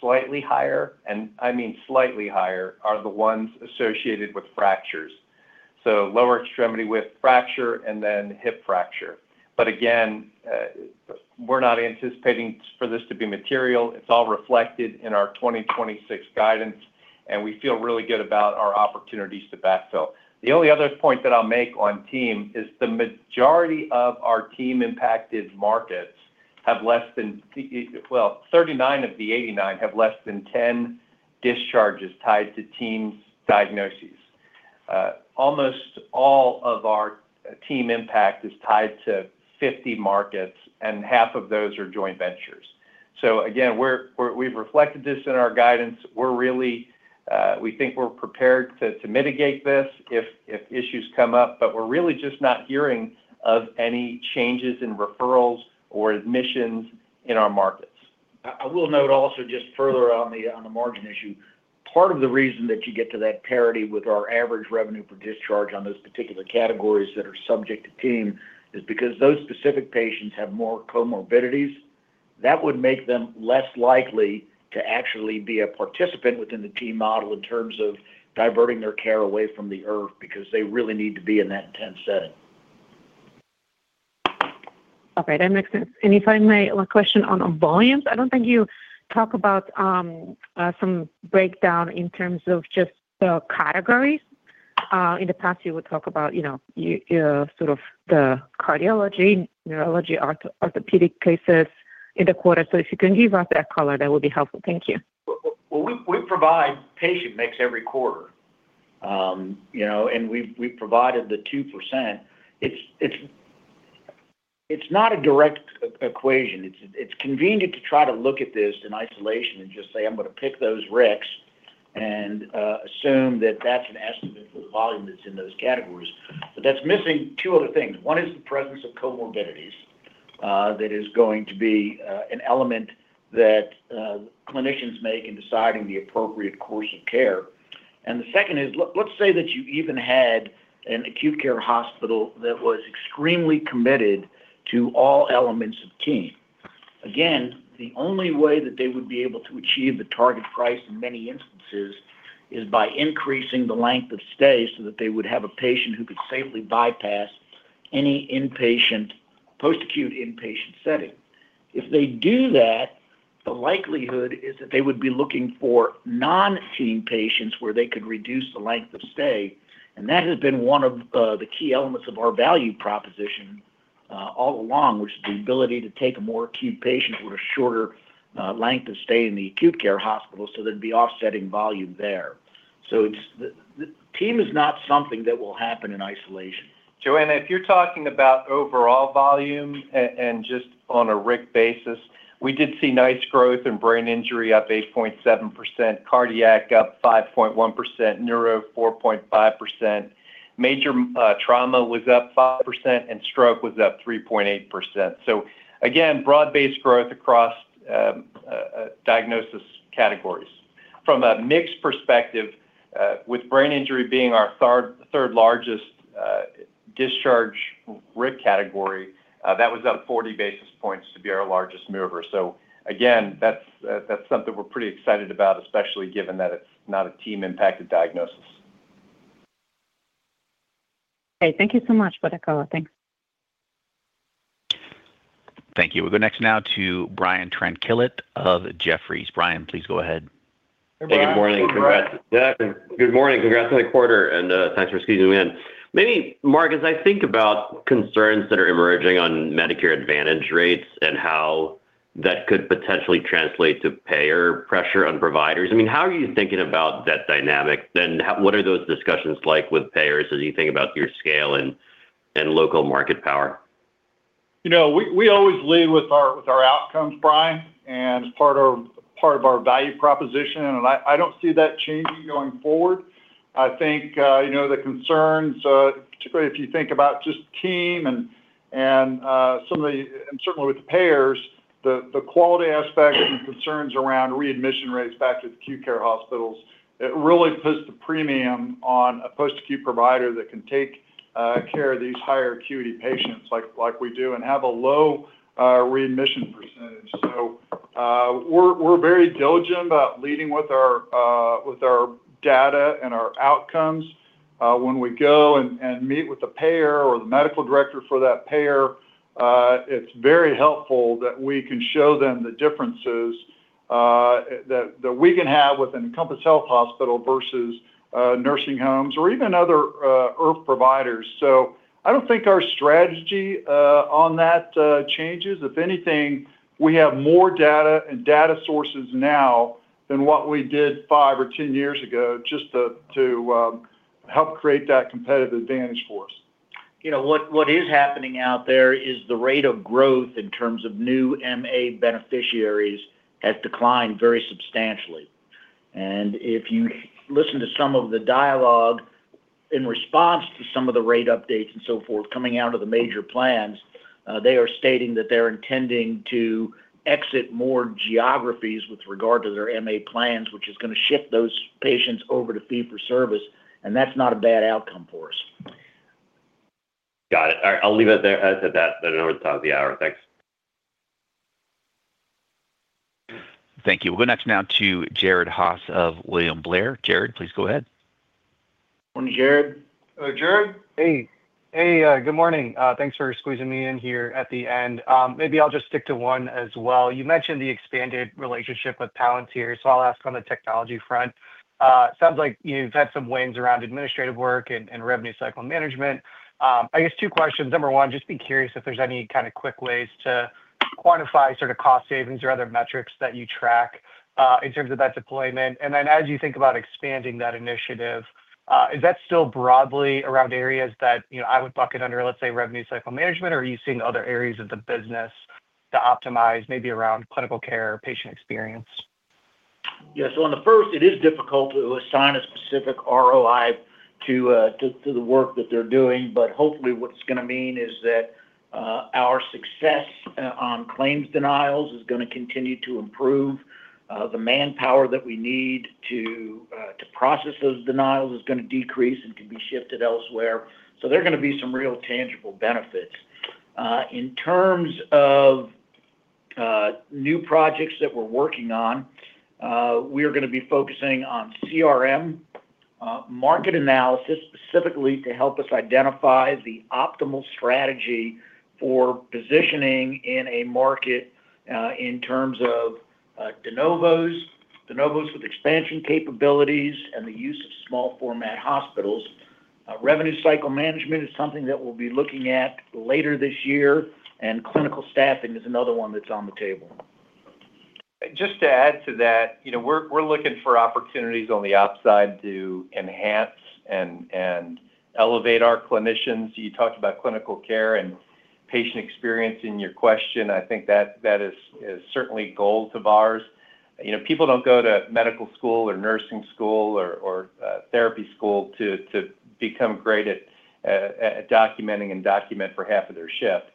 S6: slightly higher, and I mean slightly higher, are the ones associated with fractures. So lower extremity with fracture and then hip fracture. But again, we're not anticipating for this to be material. It's all reflected in our 2026 guidance, and we feel really good about our opportunities to backfill. The only other point that I'll make on TEAM is the majority of our team impacted markets have less than, well, 39 of the 89 have less than 10 discharges tied to TEAM's diagnoses. Almost all of our TEAM impact is tied to 50 markets, and half of those are joint ventures. So again, we've reflected this in our guidance. We're really, we think we're prepared to mitigate this if issues come up, but we're really just not hearing of any changes in referrals or admissions in our markets.
S4: I will note also, just further on the margin issue, part of the reason that you get to that parity with our average revenue per discharge on those particular categories that are subject to TEAM is because those specific patients have more comorbidities. That would make them less likely to actually be a participant within the TEAM model in terms of diverting their care away from the IRF, because they really need to be in that intense setting.
S12: Okay, that makes sense. And if I may, one question on volumes. I don't think you talk about some breakdown in terms of just the categories. In the past, you would talk about, you know, sort of the cardiology, neurology, orthopedic cases in the quarter. So if you can give us that color, that would be helpful. Thank you.
S4: Well, we provide patient mix every quarter. You know, and we've provided the 2%. It's not a direct equation. It's convenient to try to look at this in isolation and just say, "I'm gonna pick those RICS and assume that that's an estimate for the volume that's in those categories." But that's missing two other things. One is the presence of comorbidities that is going to be an element that clinicians make in deciding the appropriate course of care. And the second is, let's say that you even had an acute care hospital that was extremely committed to all elements of TEAM. Again, the only way that they would be able to achieve the target price in many instances is by increasing the length of stay so that they would have a patient who could safely bypass any inpatient, post-acute inpatient setting. If they do that, the likelihood is that they would be looking for non-TEAM patients where they could reduce the length of stay, and that has been one of the key elements of our value proposition all along, which is the ability to take a more acute patient with a shorter length of stay in the acute care hospital, so there'd be offsetting volume there. So it's the TEAM is not something that will happen in isolation.
S3: Joanna, if you're talking about overall volume and just on a RIC basis, we did see nice growth and brain injury up 8.7%, cardiac up 5.1%, neuro 4.5%. Major trauma was up 5%, and stroke was up 3.8%. So again, broad-based growth across diagnosis categories. From a mix perspective, with brain injury being our third largest discharge RIC category, that was up 40 basis points to be our largest mover. So again, that's something we're pretty excited about, especially given that it's not a TEAM-impacted diagnosis.
S12: Okay, thank you so much for the call. Thanks.
S1: Thank you. We'll go next now to Brian Tanquilut of Jefferies. Brian, please go ahead.
S3: Hey, Brian.
S13: Good morning. Congrats, yeah. Good morning. Congrats on the quarter, and thanks for squeezing me in. Maybe, Mark, as I think about concerns that are emerging on Medicare Advantage rates and how that could potentially translate to payer pressure on providers, I mean, how are you thinking about that dynamic? Then, how—what are those discussions like with payers as you think about your scale and local market power?
S3: You know, we always lead with our outcomes, Brian, and it's part of our value proposition, and I don't see that changing going forward. I think, you know, the concerns, particularly if you think about just TEAM and some of the—and certainly with the payers, the quality aspect and concerns around readmission rates back to the acute care hospitals, it really puts the premium on a post-acute provider that can take care of these higher acuity patients like we do, and have a low readmission percentage. So, we're very diligent about leading with our data and our outcomes. When we go and meet with the payer or the medical director for that payer, it's very helpful that we can show them the differences that we can have with an Encompass Health hospital versus nursing homes or even other IRF providers. So I don't think our strategy on that changes. If anything, we have more data and data sources now than what we did five or 10 years ago, just to help create that competitive advantage for us.
S4: You know, what is happening out there is the rate of growth in terms of new MA beneficiaries has declined very substantially. And if you listen to some of the dialogue in response to some of the rate updates and so forth coming out of the major plans, they are stating that they're intending to exit more geographies with regard to their MA plans, which is gonna shift those patients over to fee-for-service, and that's not a bad outcome for us.
S13: Got it. All right, I'll leave it there, as at that, but over the top of the hour. Thanks.
S1: Thank you. We'll go next now to Jared Haase of William Blair. Jared, please go ahead.
S3: Morning, Jared. Jared?
S14: Hey. Hey, good morning. Thanks for squeezing me in here at the end. Maybe I'll just stick to one as well. You mentioned the expanded relationship with Palantir, so I'll ask on the technology front. Sounds like you've had some wins around administrative work and, and revenue cycle management. I guess two questions. Number one, just be curious if there's any kind of quick ways to quantify sort of cost savings or other metrics that you track, in terms of that deployment. And then, as you think about expanding that initiative, is that still broadly around areas that, you know, I would bucket under, let's say, revenue cycle management, or are you seeing other areas of the business to optimize, maybe around clinical care or patient experience?
S4: Yeah. So on the first, it is difficult to assign a specific ROI to the work that they're doing, but hopefully, what it's gonna mean is that our success on claims denials is gonna continue to improve. The manpower that we need to process those denials is gonna decrease and can be shifted elsewhere. So there are gonna be some real tangible benefits. In terms of new projects that we're working on, we are gonna be focusing on CRM, market analysis, specifically to help us identify the optimal strategy for positioning in a market, in terms of de novos with expansion capabilities, and the use of small-format hospitals. Revenue cycle management is something that we'll be looking at later this year, and clinical staffing is another one that's on the table. ...
S6: Just to add to that, you know, we're looking for opportunities on the upside to enhance and elevate our clinicians. You talked about clinical care and patient experience in your question. I think that is certainly goals of ours. You know, people don't go to medical school or nursing school or therapy school to become great at documenting and document for half of their shift.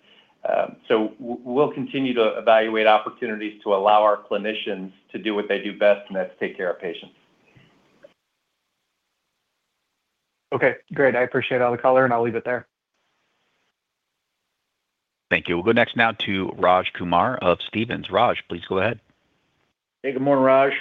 S6: So we'll continue to evaluate opportunities to allow our clinicians to do what they do best, and that's take care of patients.
S14: Okay, great. I appreciate all the color, and I'll leave it there.
S1: Thank you. We'll go next now to Raj Kumar of Stephens. Raj, please go ahead.
S4: Hey, good morning, Raj.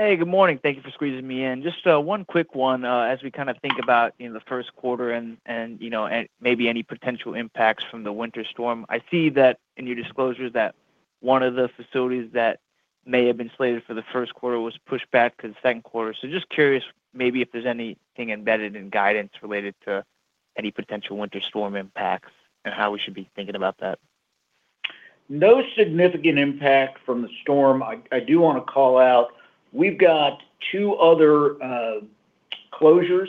S15: Hey, good morning. Thank you for squeezing me in. Just, one quick one. As we kind of think about in the first quarter and, you know, and maybe any potential impacts from the winter storm, I see that in your disclosures that one of the facilities that may have been slated for the first quarter was pushed back to the second quarter. So just curious, maybe if there's anything embedded in guidance related to any potential winter storm impacts and how we should be thinking about that?
S4: No significant impact from the storm. I do want to call out, we've got two other closures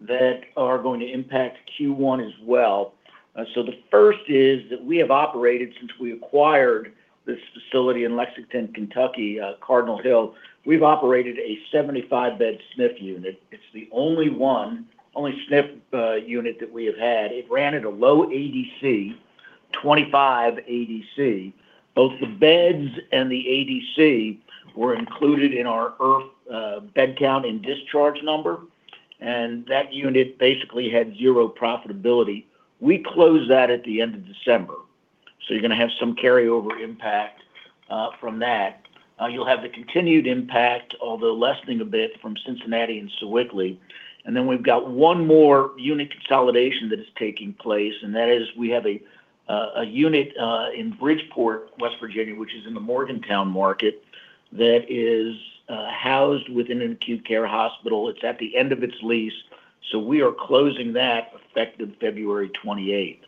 S4: that are going to impact Q1 as well. So the first is that we have operated since we acquired this facility in Lexington, Kentucky, Cardinal Hill. We've operated a 75-bed SNF unit. It's the only one, only SNF unit that we have had. It ran at a low ADC, 25 ADC. Both the beds and the ADC were included in our IRF bed count and discharge number, and that unit basically had zero profitability. We closed that at the end of December, so you're going to have some carryover impact from that. You'll have the continued impact, although lessening a bit, from Cincinnati and Sewickley, and then we've got one more unit consolidation that is taking place, and that is we have a unit in Bridgeport, West Virginia, which is in the Morgantown market, that is housed within an acute care hospital. It's at the end of its lease, so we are closing that effective February 28.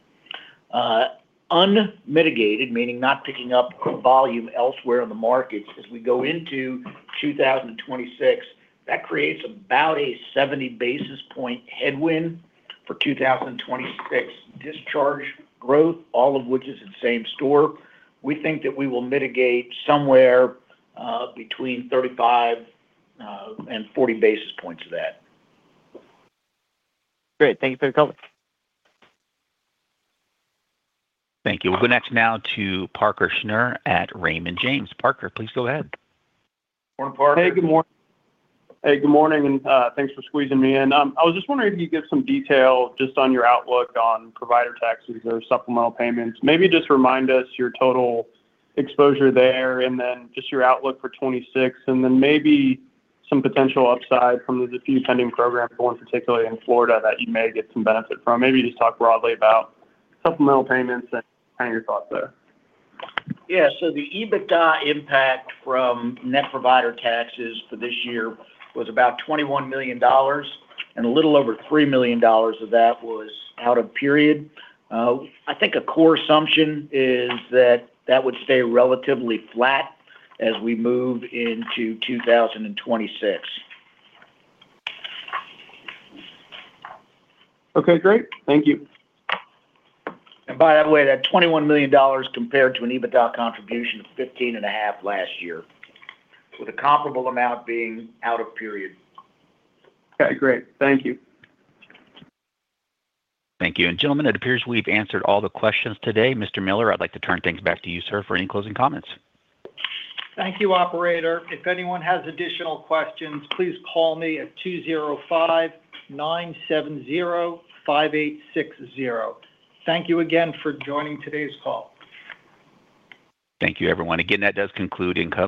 S4: Unmitigated, meaning not picking up volume elsewhere in the markets as we go into 2026, that creates about a 70 basis point headwind for 2026. Discharge growth, all of which is in same store. We think that we will mitigate somewhere between 35 and 40 basis points of that.
S1: Great. Thank you for your comment. Thank you. We'll go next now to Parker Snure at Raymond James. Parker, please go ahead.
S6: Morning, Parker.
S16: Hey, good morning. Hey, good morning, and thanks for squeezing me in. I was just wondering if you could give some detail just on your outlook on provider taxes or supplemental payments. Maybe just remind us your total exposure there, and then just your outlook for 2026, and then maybe some potential upside from the diffuse pending program, one, particularly in Florida, that you may get some benefit from. Maybe just talk broadly about supplemental payments and your thoughts there.
S4: Yeah. So the EBITDA impact from net provider taxes for this year was about $21 million, and a little over $3 million of that was out of period. I think a core assumption is that that would stay relatively flat as we move into 2026.
S16: Okay, great. Thank you.
S4: And by the way, that $21 million compared to an EBITDA contribution of $15.5 million last year, with a comparable amount being out of period.
S16: Okay, great. Thank you.
S1: Thank you. Gentlemen, it appears we've answered all the questions today. Mr. Miller, I'd like to turn things back to you, sir, for any closing comments.
S2: Thank you, operator. If anyone has additional questions, please call me at 205-970-5860. Thank you again for joining today's call.
S1: Thank you, everyone. Again, that does conclude Encompass...